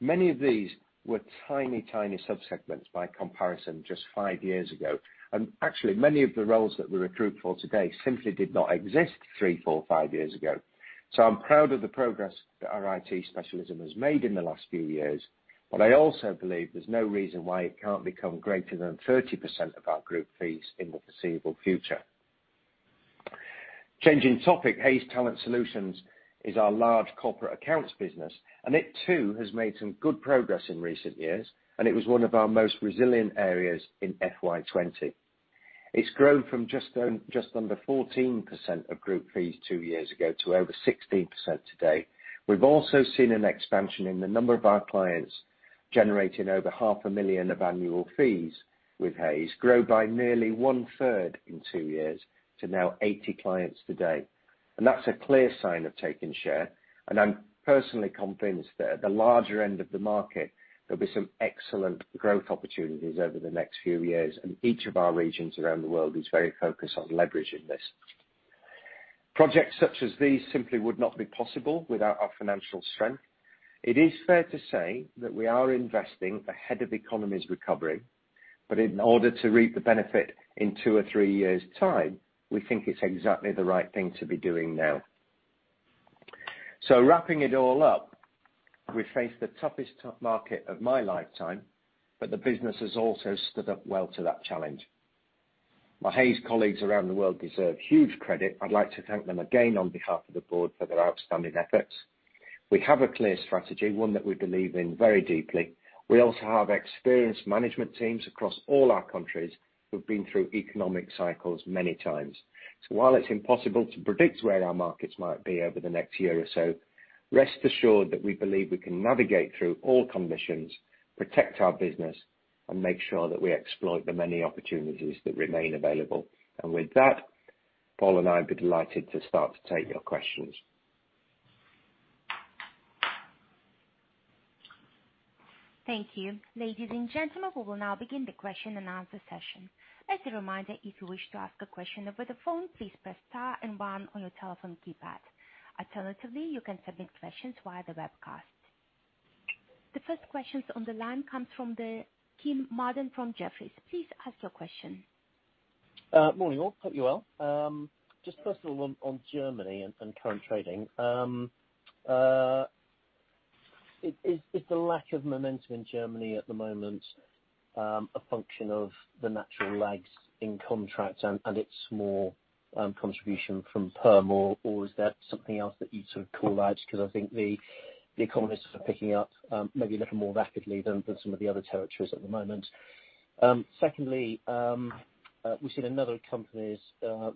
many of these were tiny subsegments by comparison just five years ago. Actually, many of the roles that we recruit for today simply did not exist three, four, five years ago. I'm proud of the progress that our IT specialism has made in the last few years. I also believe there's no reason why it can't become greater than 30% of our group fees in the foreseeable future. Changing topic, Hays Talent Solutions is our large corporate accounts business, and it too, has made some good progress in recent years, and it was one of our most resilient areas in FY 20. It's grown from just under 14% of group fees two years ago to over 16% today. We've also seen an expansion in the number of our clients generating over half a million GBP of annual fees, with Hays grow by nearly 1/3 in two years to now 80 clients today. That's a clear sign of taking share, I'm personally convinced that at the larger end of the market, there'll be some excellent growth opportunities over the next few years, each of our regions around the world is very focused on leveraging this. Projects such as these simply would not be possible without our financial strength. It is fair to say that we are investing ahead of economy's recovery, in order to reap the benefit in two or three years' time, we think it's exactly the right thing to be doing now. Wrapping it all up, we face the toughest top market of my lifetime, but the business has also stood up well to that challenge. My Hays colleagues around the world deserve huge credit. I'd like to thank them again on behalf of the board for their outstanding efforts. We have a clear strategy, one that we believe in very deeply. We also have experienced management teams across all our countries who've been through economic cycles many times. While it's impossible to predict where our markets might be over the next year or so, rest assured that we believe we can navigate through all conditions, protect our business, and make sure that we exploit the many opportunities that remain available. With that, Paul and I would be delighted to start to take your questions. Thank you. Ladies and gentlemen, we will now begin the question and answer session. As a reminder, if you wish to ask a question over the phone, please press star and one on your telephone keypad. Alternatively, you can submit questions via the webcast. The first questions on the line comes from the Kean Marden from Jefferies. Please ask your question. Morning all, hope you're well. Just first of all on Germany and current trading. Is the lack of momentum in Germany at the moment a function of the natural lags in contracts and its small contribution from perm? Is that something else that you'd call out? Because I think the economies are picking up maybe a little more rapidly than some of the other territories at the moment. Secondly, we've seen in other companies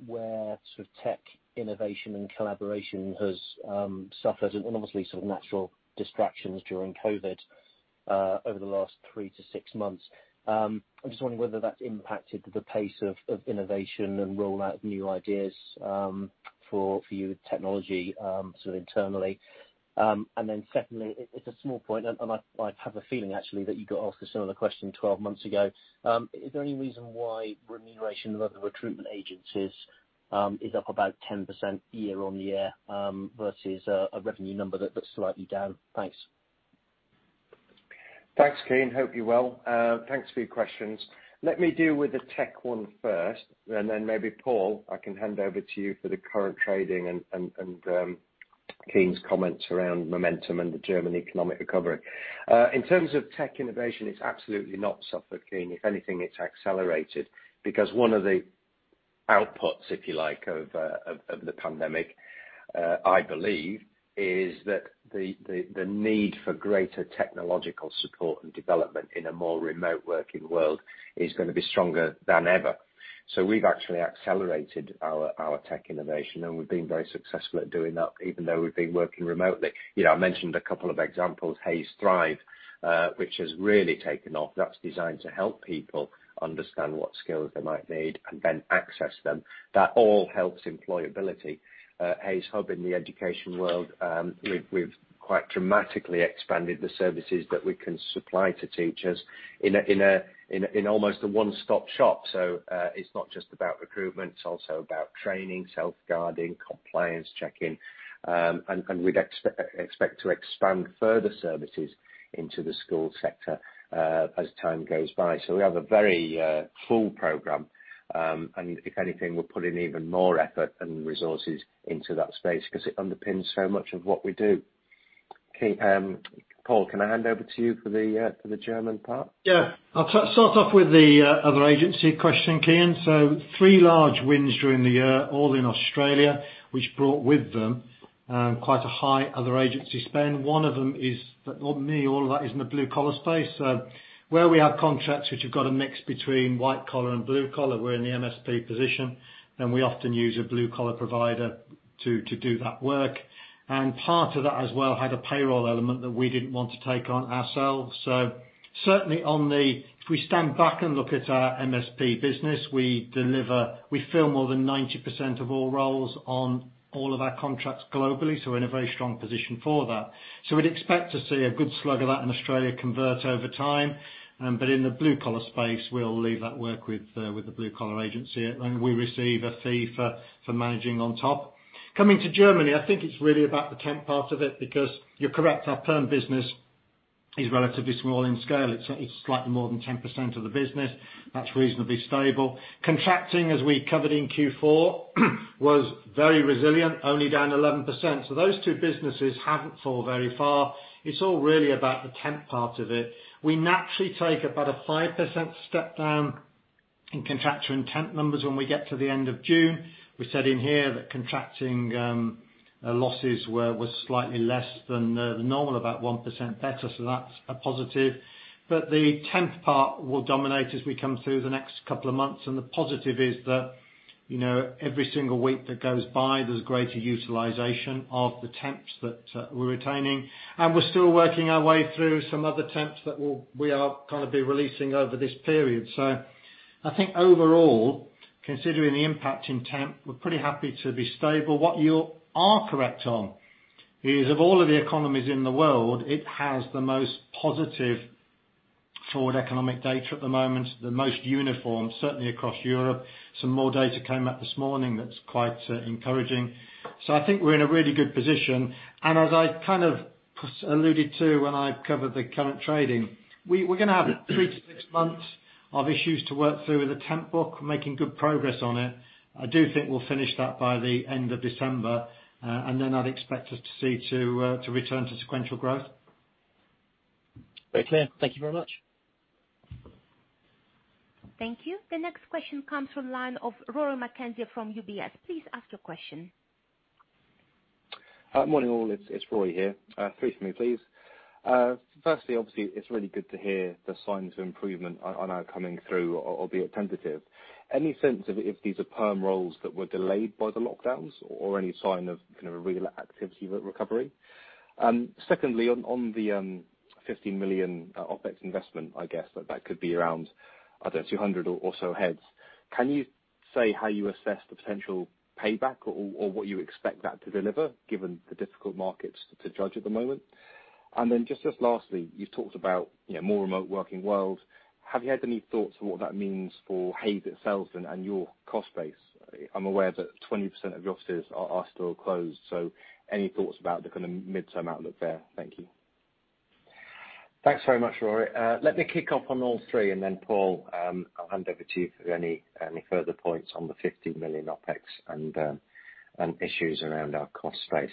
where tech innovation and collaboration has suffered and obviously some natural distractions during COVID, over the last three to six months. I'm just wondering whether that's impacted the pace of innovation and rollout of new ideas for you with technology internally. Secondly, it's a small point, and I have a feeling actually that you got asked a similar question 12 months ago. Is there any reason why remuneration of other recruitment agencies is up about 10% year-on-year, versus a revenue number that looks slightly down? Thanks. Thanks, Kean. Hope you're well. Thanks for your questions. Let me deal with the tech one first, and then maybe Paul, I can hand over to you for the current trading and Kean's comments around momentum and the German economic recovery. In terms of tech innovation, it's absolutely not suffered, Kean. One of the outputs, if you like, of the pandemic, I believe, is that the need for greater technological support and development in a more remote working world is going to be stronger than ever. We've actually accelerated our tech innovation, and we've been very successful at doing that, even though we've been working remotely. I mentioned a couple of examples, Hays Thrive which has really taken off. That's designed to help people understand what skills they might need and then access them. That all helps employability. Hays Hub in the education world, we've quite dramatically expanded the services that we can supply to teachers in almost a one-stop shop. It's not just about recruitment, it's also about training, safeguarding, compliance checking. We'd expect to expand further services into the school sector as time goes by. We have a very cool program, and if anything, we'll put in even more effort and resources into that space because it underpins so much of what we do. Kean, Paul, can I hand over to you for the German part? Yeah. I'll start off with the other agency question, Kean. Three large wins during the year, all in Australia, which brought with them quite a high other agency spend. One of them is, for me, all of that is in the blue-collar space. Where we have contracts which have got a mix between white collar and blue collar, we're in the MSP position, and we often use a blue-collar provider to do that work. Part of that as well had a payroll element that we didn't want to take on ourselves. Certainly if we stand back and look at our MSP business, we fill more than 90% of all roles on all of our contracts globally, so we're in a very strong position for that. We'd expect to see a good slug of that in Australia convert over time. In the blue-collar space, we'll leave that work with the blue-collar agency, and we receive a fee for managing on top. Coming to Germany, I think it's really about the temp part of it because you're correct, our perm business is relatively small in scale. It's slightly more than 10% of the business. That's reasonably stable. Contracting, as we covered in Q4, was very resilient, only down 11%. Those two businesses haven't fallen very far. It's all really about the temp part of it. We naturally take about a 5% step down in contractual temp numbers when we get to the end of June. We said in here that contracting losses was slightly less than the normal, about 1% better, so that's a positive. The temp part will dominate as we come through the next couple of months and the positive is that every single week that goes by, there's greater utilization of the temps that we're retaining. We're still working our way through some other temps that we are going to be releasing over this period. I think overall, considering the impact in temp, we're pretty happy to be stable. What you are correct on is of all of the economies in the world, it has the most positive forward economic data at the moment, the most uniform, certainly across Europe. Some more data came out this morning that's quite encouraging. I think we're in a really good position. As I kind of alluded to when I covered the current trading, we're going to have three to six months of issues to work through with the temp book. We're making good progress on it. I do think we'll finish that by the end of December. I'd expect us to see to return to sequential growth. Very clear. Thank you very much. Thank you. The next question comes from line of Rory McKenzie from UBS. Please ask your question. Morning, all. It's Rory here. Three for me, please. Obviously, it's really good to hear the signs of improvement are now coming through, albeit tentative. Any sense of if these are perm roles that were delayed by the lockdowns or any sign of kind of a real activity recovery? On the 15 million OpEx investment, I guess that could be around, I don't know, 200 or so heads. Can you say how you assess the potential payback or what you expect that to deliver given the difficult markets to judge at the moment? Just lastly, you've talked about more remote working world. Have you had any thoughts on what that means for Hays itself and your cost base? I'm aware that 20% of your offices are still closed, any thoughts about the kind of midterm outlook there? Thank you. Thanks very much, Rory. Let me kick off on all three, then Paul, I'll hand over to you for any further points on the 15 million OpEx and issues around our cost base.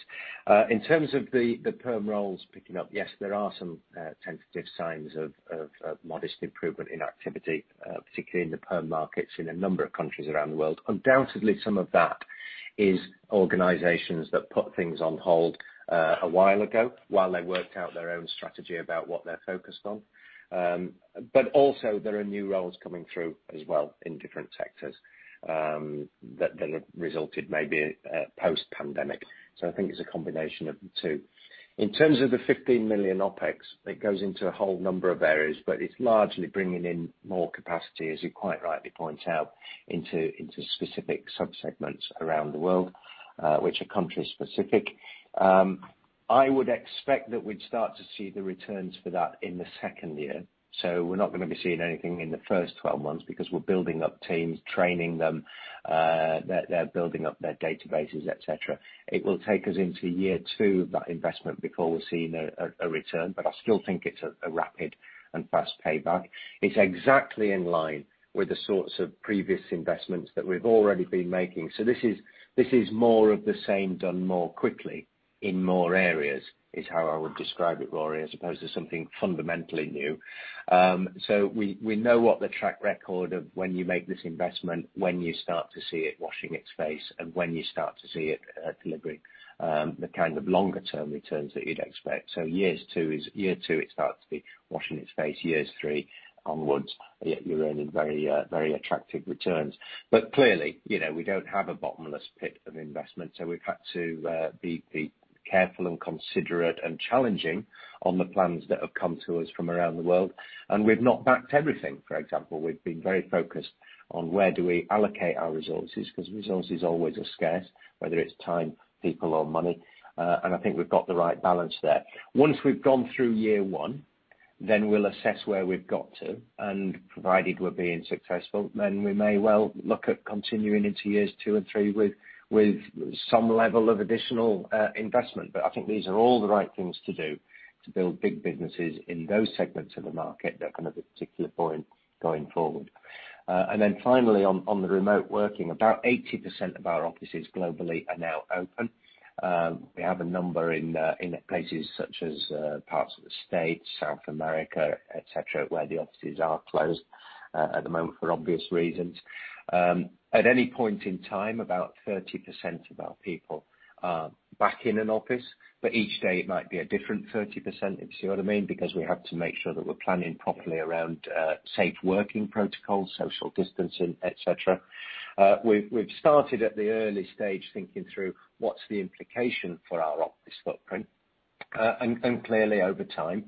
In terms of the perm roles picking up, yes, there are some tentative signs of modest improvement in activity, particularly in the perm markets in a number of countries around the world. Undoubtedly, some of that is organizations that put things on hold a while ago while they worked out their own strategy about what they're focused on. Also there are new roles coming through as well in different sectors that have resulted maybe post-pandemic. I think it's a combination of the two. In terms of the 15 million OpEx, it goes into a whole number of areas, but it's largely bringing in more capacity, as you quite rightly point out, into specific subsegments around the world, which are country specific. I would expect that we'd start to see the returns for that in the second year. We're not going to be seeing anything in the first 12 months because we're building up teams, training them, they're building up their databases, et cetera. It will take us into year two of that investment before we're seeing a return, but I still think it's a rapid and fast payback. It's exactly in line with the sorts of previous investments that we've already been making. This is more of the same done more quickly in more areas, is how I would describe it, Rory, as opposed to something fundamentally new. We know what the track record of when you make this investment, when you start to see it washing its face, and when you start to see it delivering the kind of longer term returns that you'd expect. Year two, it starts to be washing its face. Year three onwards, you're earning very attractive returns. Clearly, we don't have a bottomless pit of investment, so we've had to be careful and considerate and challenging on the plans that have come to us from around the world. We've not backed everything, for example. We've been very focused on where do we allocate our resources, because resources always are scarce, whether it's time, people, or money. I think we've got the right balance there. Once we've gone through year one, then we'll assess where we've got to, and provided we're being successful, then we may well look at continuing into years two and three with some level of additional investment. I think these are all the right things to do to build big businesses in those segments of the market that are kind of a particular point going forward. Finally on the remote working, about 80% of our offices globally are now open. We have a number in places such as parts of the States, South America, et cetera, where the offices are closed at the moment for obvious reasons. At any point in time, about 30% of our people are back in an office, but each day it might be a different 30%, if you see what I mean, because we have to make sure that we're planning properly around safe working protocols, social distancing, et cetera. We've started at the early stage thinking through what's the implication for our office footprint. Clearly over time,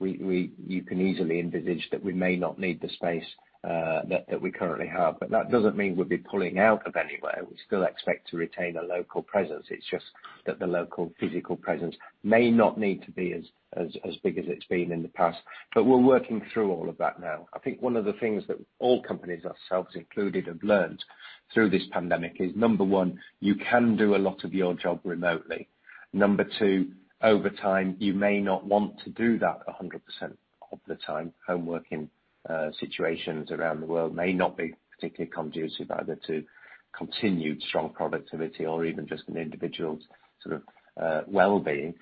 you can easily envisage that we may not need the space that we currently have. That doesn't mean we'll be pulling out of anywhere. We still expect to retain a local presence. It's just that the local physical presence may not need to be as big as it's been in the past. We're working through all of that now. I think one of the things that all companies, ourselves included, have learned through this pandemic is, number one, you can do a lot of your job remotely. Number two, over time, you may not want to do that 100% of the time. Home working situations around the world may not be particularly conducive either to continued strong productivity or even just an individual's sort of well-being.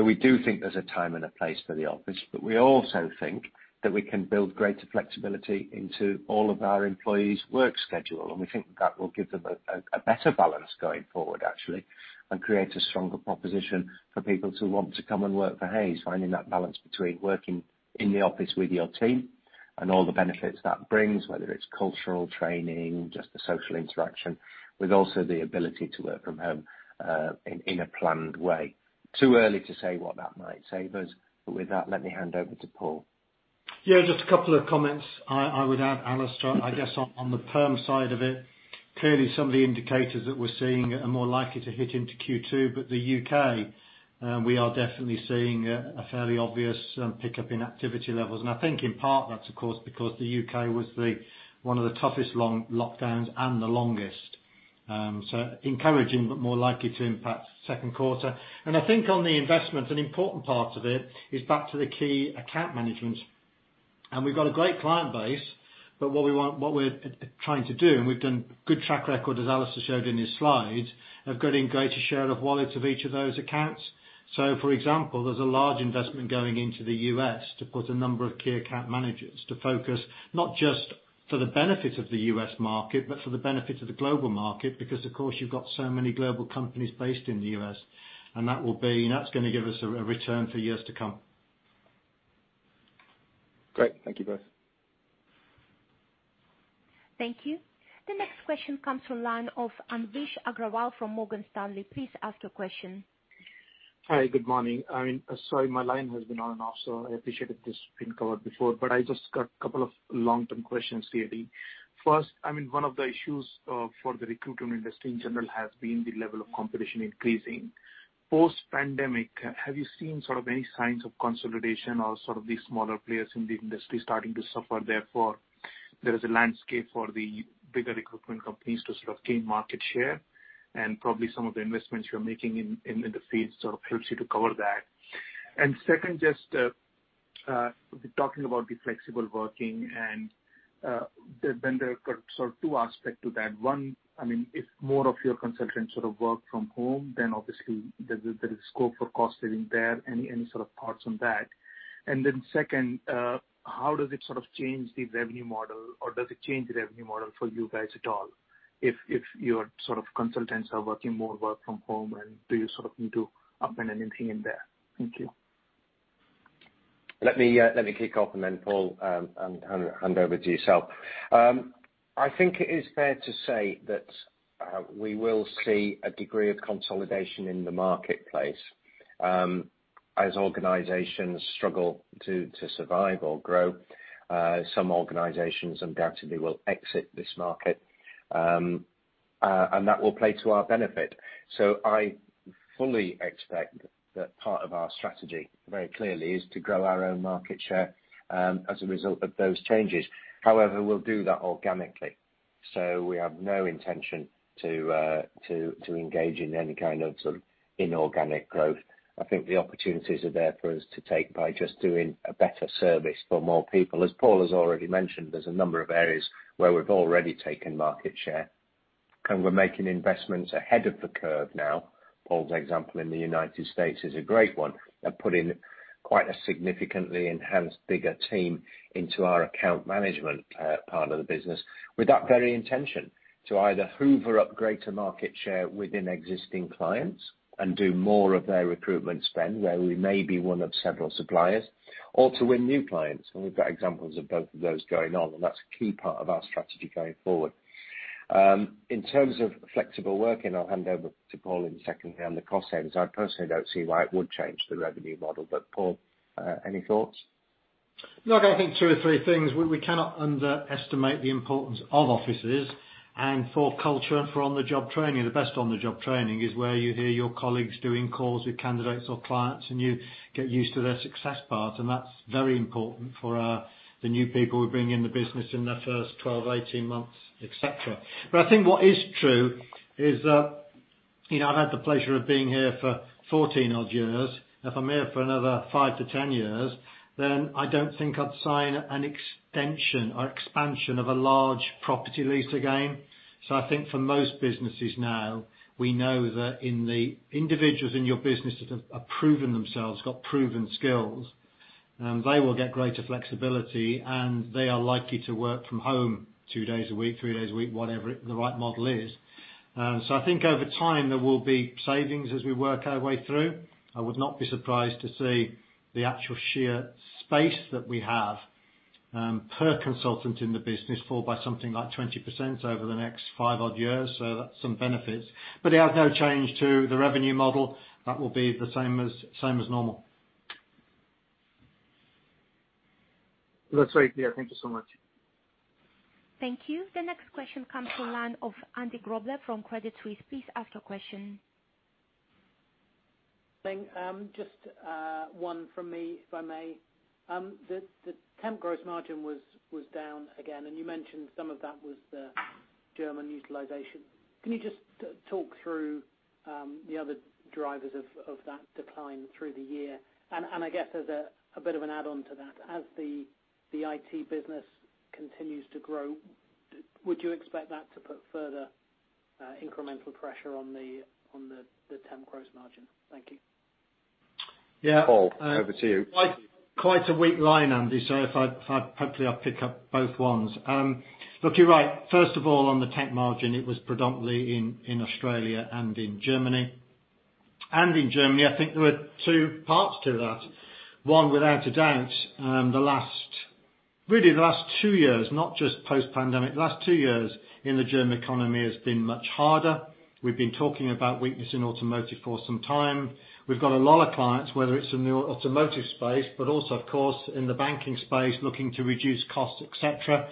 We do think there's a time and a place for the office, but we also think that we can build greater flexibility into all of our employees' work schedule. We think that will give them a better balance going forward, actually, and create a stronger proposition for people to want to come and work for Hays, finding that balance between working in the office with your team and all the benefits that brings, whether it's cultural training, just the social interaction, with also the ability to work from home in a planned way. Too early to say what that might save us. With that, let me hand over to Paul. Yeah, just a couple of comments I would add, Alistair. I guess on the perm side of it, clearly some of the indicators that we're seeing are more likely to hit into Q2. The U.K., we are definitely seeing a fairly obvious pickup in activity levels. I think in part that's of course because the U.K. was one of the toughest lockdowns and the longest. Encouraging, but more likely to impact second quarter. I think on the investment, an important part of it is back to the key account management. We've got a great client base, but what we're trying to do, and we've done good track record, as Alistair showed in his slides, of getting greater share of wallets of each of those accounts. For example, there's a large investment going into the U.S. to put a number of key account managers to focus not just for the benefit of the U.S. market, but for the benefit of the global market, because of course, you've got so many global companies based in the U.S. That's going to give us a return for years to come. Great. Thank you both. Thank you. The next question comes from line of Anvesh Agrawal from Morgan Stanley. Please ask your question. Hi. Good morning. Sorry, my line has been on and off, so I appreciate if this has been covered before, but I just got a couple of long-term questions here. First, one of the issues for the recruitment industry in general has been the level of competition increasing. Post-pandemic, have you seen sort of any signs of consolidation or sort of these smaller players in the industry starting to suffer, therefore, there is a landscape for the bigger recruitment companies to sort of gain market share? Probably some of the investments you're making in the field sort of helps you to cover that. Second, just talking about the flexible working and there have been sort of two aspect to that. One, if more of your consultants sort of work from home, then obviously there is scope for cost saving there. Any sort of thoughts on that? Second, how does it sort of change the revenue model or does it change the revenue model for you guys at all if your sort of consultants are working more work from home, and do you sort of need to append anything in there? Thank you. Let me kick off and then Paul, hand over to you, sir. I think it is fair to say that we will see a degree of consolidation in the marketplace as organizations struggle to survive or grow. Some organizations undoubtedly will exit this market, and that will play to our benefit. I fully expect that part of our strategy, very clearly, is to grow our own market share as a result of those changes. However, we'll do that organically. We have no intention to engage in any kind of inorganic growth. I think the opportunities are there for us to take by just doing a better service for more people. As Paul has already mentioned, there's a number of areas where we've already taken market share, and we're making investments ahead of the curve now. Paul's example in the United States is a great one at putting quite a significantly enhanced, bigger team into our account management part of the business with that very intention. To either hoover up greater market share within existing clients and do more of their recruitment spend where we may be one of several suppliers, or to win new clients. We've got examples of both of those going on, and that's a key part of our strategy going forward. In terms of flexible working, I'll hand over to Paul in a second on the cost savings. I personally don't see why it would change the revenue model, but Paul, any thoughts? Look, I think two or three things. We cannot underestimate the importance of offices and for culture and for on-the-job training. The best on-the-job training is where you hear your colleagues doing calls with candidates or clients, and you get used to their success part, and that's very important for the new people we bring in the business in their first 12, 18 months, et cetera. I think what is true is, I've had the pleasure of being here for 14-odd years. If I'm here for another 5-10 years, I don't think I'd sign an extension or expansion of a large property lease again. I think for most businesses now, we know that in the individuals in your business that have proven themselves, got proven skills, they will get greater flexibility and they are likely to work from home two days a week, three days a week, whatever the right model is. I think over time, there will be savings as we work our way through. I would not be surprised to see the actual sheer space that we have per consultant in the business fall by something like 20% over the next five-odd years. That's some benefits. But they have no change to the revenue model. That will be the same as normal. That's very clear. Thank you so much. Thank you. The next question comes from line of Andy Grobler from Credit Suisse. Please ask your question. Thanks. Just one from me, if I may. The temp gross margin was down again, and you mentioned some of that was the German utilization. Can you just talk through the other drivers of that decline through the year? I guess as a bit of an add-on to that, as the IT business continues to grow, would you expect that to put further incremental pressure on the temp gross margin? Thank you. Yeah. Paul, over to you. Quite a weak line, Andy, so hopefully I pick up both ones. Look, you're right. First of all, on the temp margin, it was predominantly in Australia and in Germany. In Germany, I think there were two parts to that. One, without a doubt, really the last two years, not just post-pandemic, the last two years in the German economy has been much harder. We've been talking about weakness in automotive for some time. We've got a lot of clients, whether it's in the automotive space but also, of course, in the banking space, looking to reduce costs, et cetera.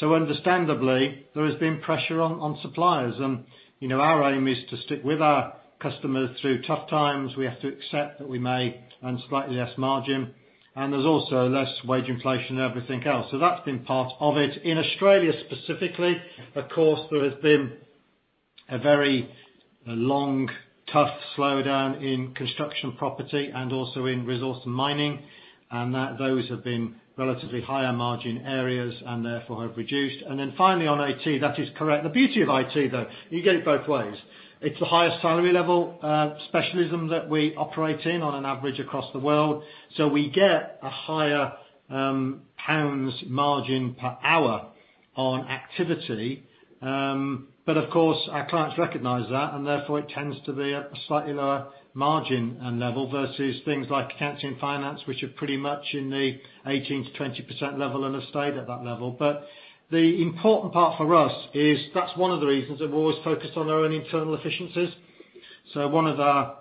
Understandably, there has been pressure on suppliers. Our aim is to stick with our customers through tough times. We have to accept that we may earn slightly less margin, and there's also less wage inflation and everything else. That's been part of it. In Australia, specifically, of course, there has been a very long, tough slowdown in construction property and also in resource and mining. Those have been relatively higher margin areas and therefore have reduced. Finally on IT, that is correct. The beauty of IT, though, you get it both ways. It's the highest salary level specialism that we operate in on an average across the world. We get a higher pounds margin per hour on activity. Of course, our clients recognize that, and therefore it tends to be at a slightly lower margin and level versus things like accounting and finance, which are pretty much in the 18%-20% level and have stayed at that level. The important part for us is that's one of the reasons we've always focused on our own internal efficiencies. One of our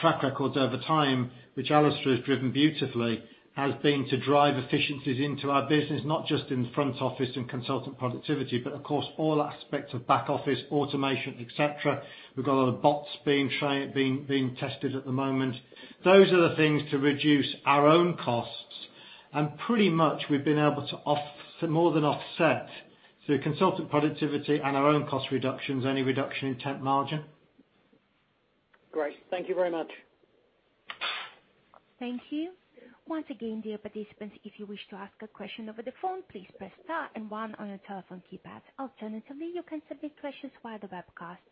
track records over time, which Alistair has driven beautifully, has been to drive efficiencies into our business, not just in the front office and consultant productivity, but of course all aspects of back office, automation, et cetera. We've got a lot of bots being tested at the moment. Those are the things to reduce our own costs, and pretty much we've been able to more than offset through consultant productivity and our own cost reductions, any reduction in temp margin. Great. Thank you very much. Thank you. Once again, dear participants, if you wish to ask a question over the phone, please press star and one on your telephone keypad. Alternatively, you can submit questions via the webcast.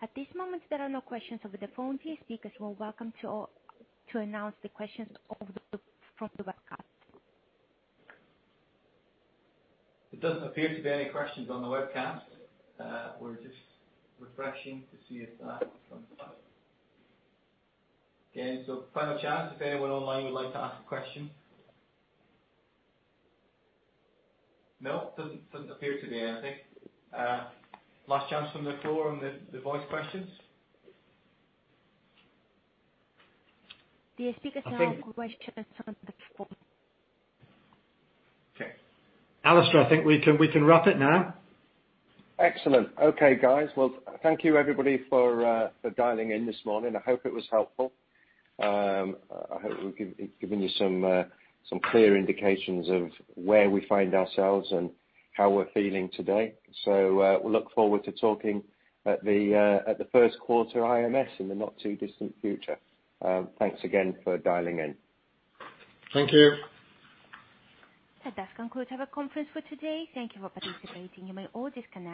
At this moment, there are no questions over the phone. Dear speakers, you are welcome to announce the questions from the webcast. There doesn't appear to be any questions on the webcast. We're just refreshing to see if that comes up. Again, so final chance if anyone online would like to ask a question. No, doesn't appear to be anything. Last chance from the floor on the voice questions. Dear speakers. I think- Can I have a question on the phone? Okay. Alistair, I think we can wrap it now. Excellent. Okay, guys. Well, thank you everybody for dialing in this morning. I hope it was helpful. I hope we've given you some clear indications of where we find ourselves and how we're feeling today. We'll look forward to talking at the first quarter IMS in the not-too-distant future. Thanks again for dialing in. Thank you. That does conclude our conference for today. Thank you for participating. You may all disconnect.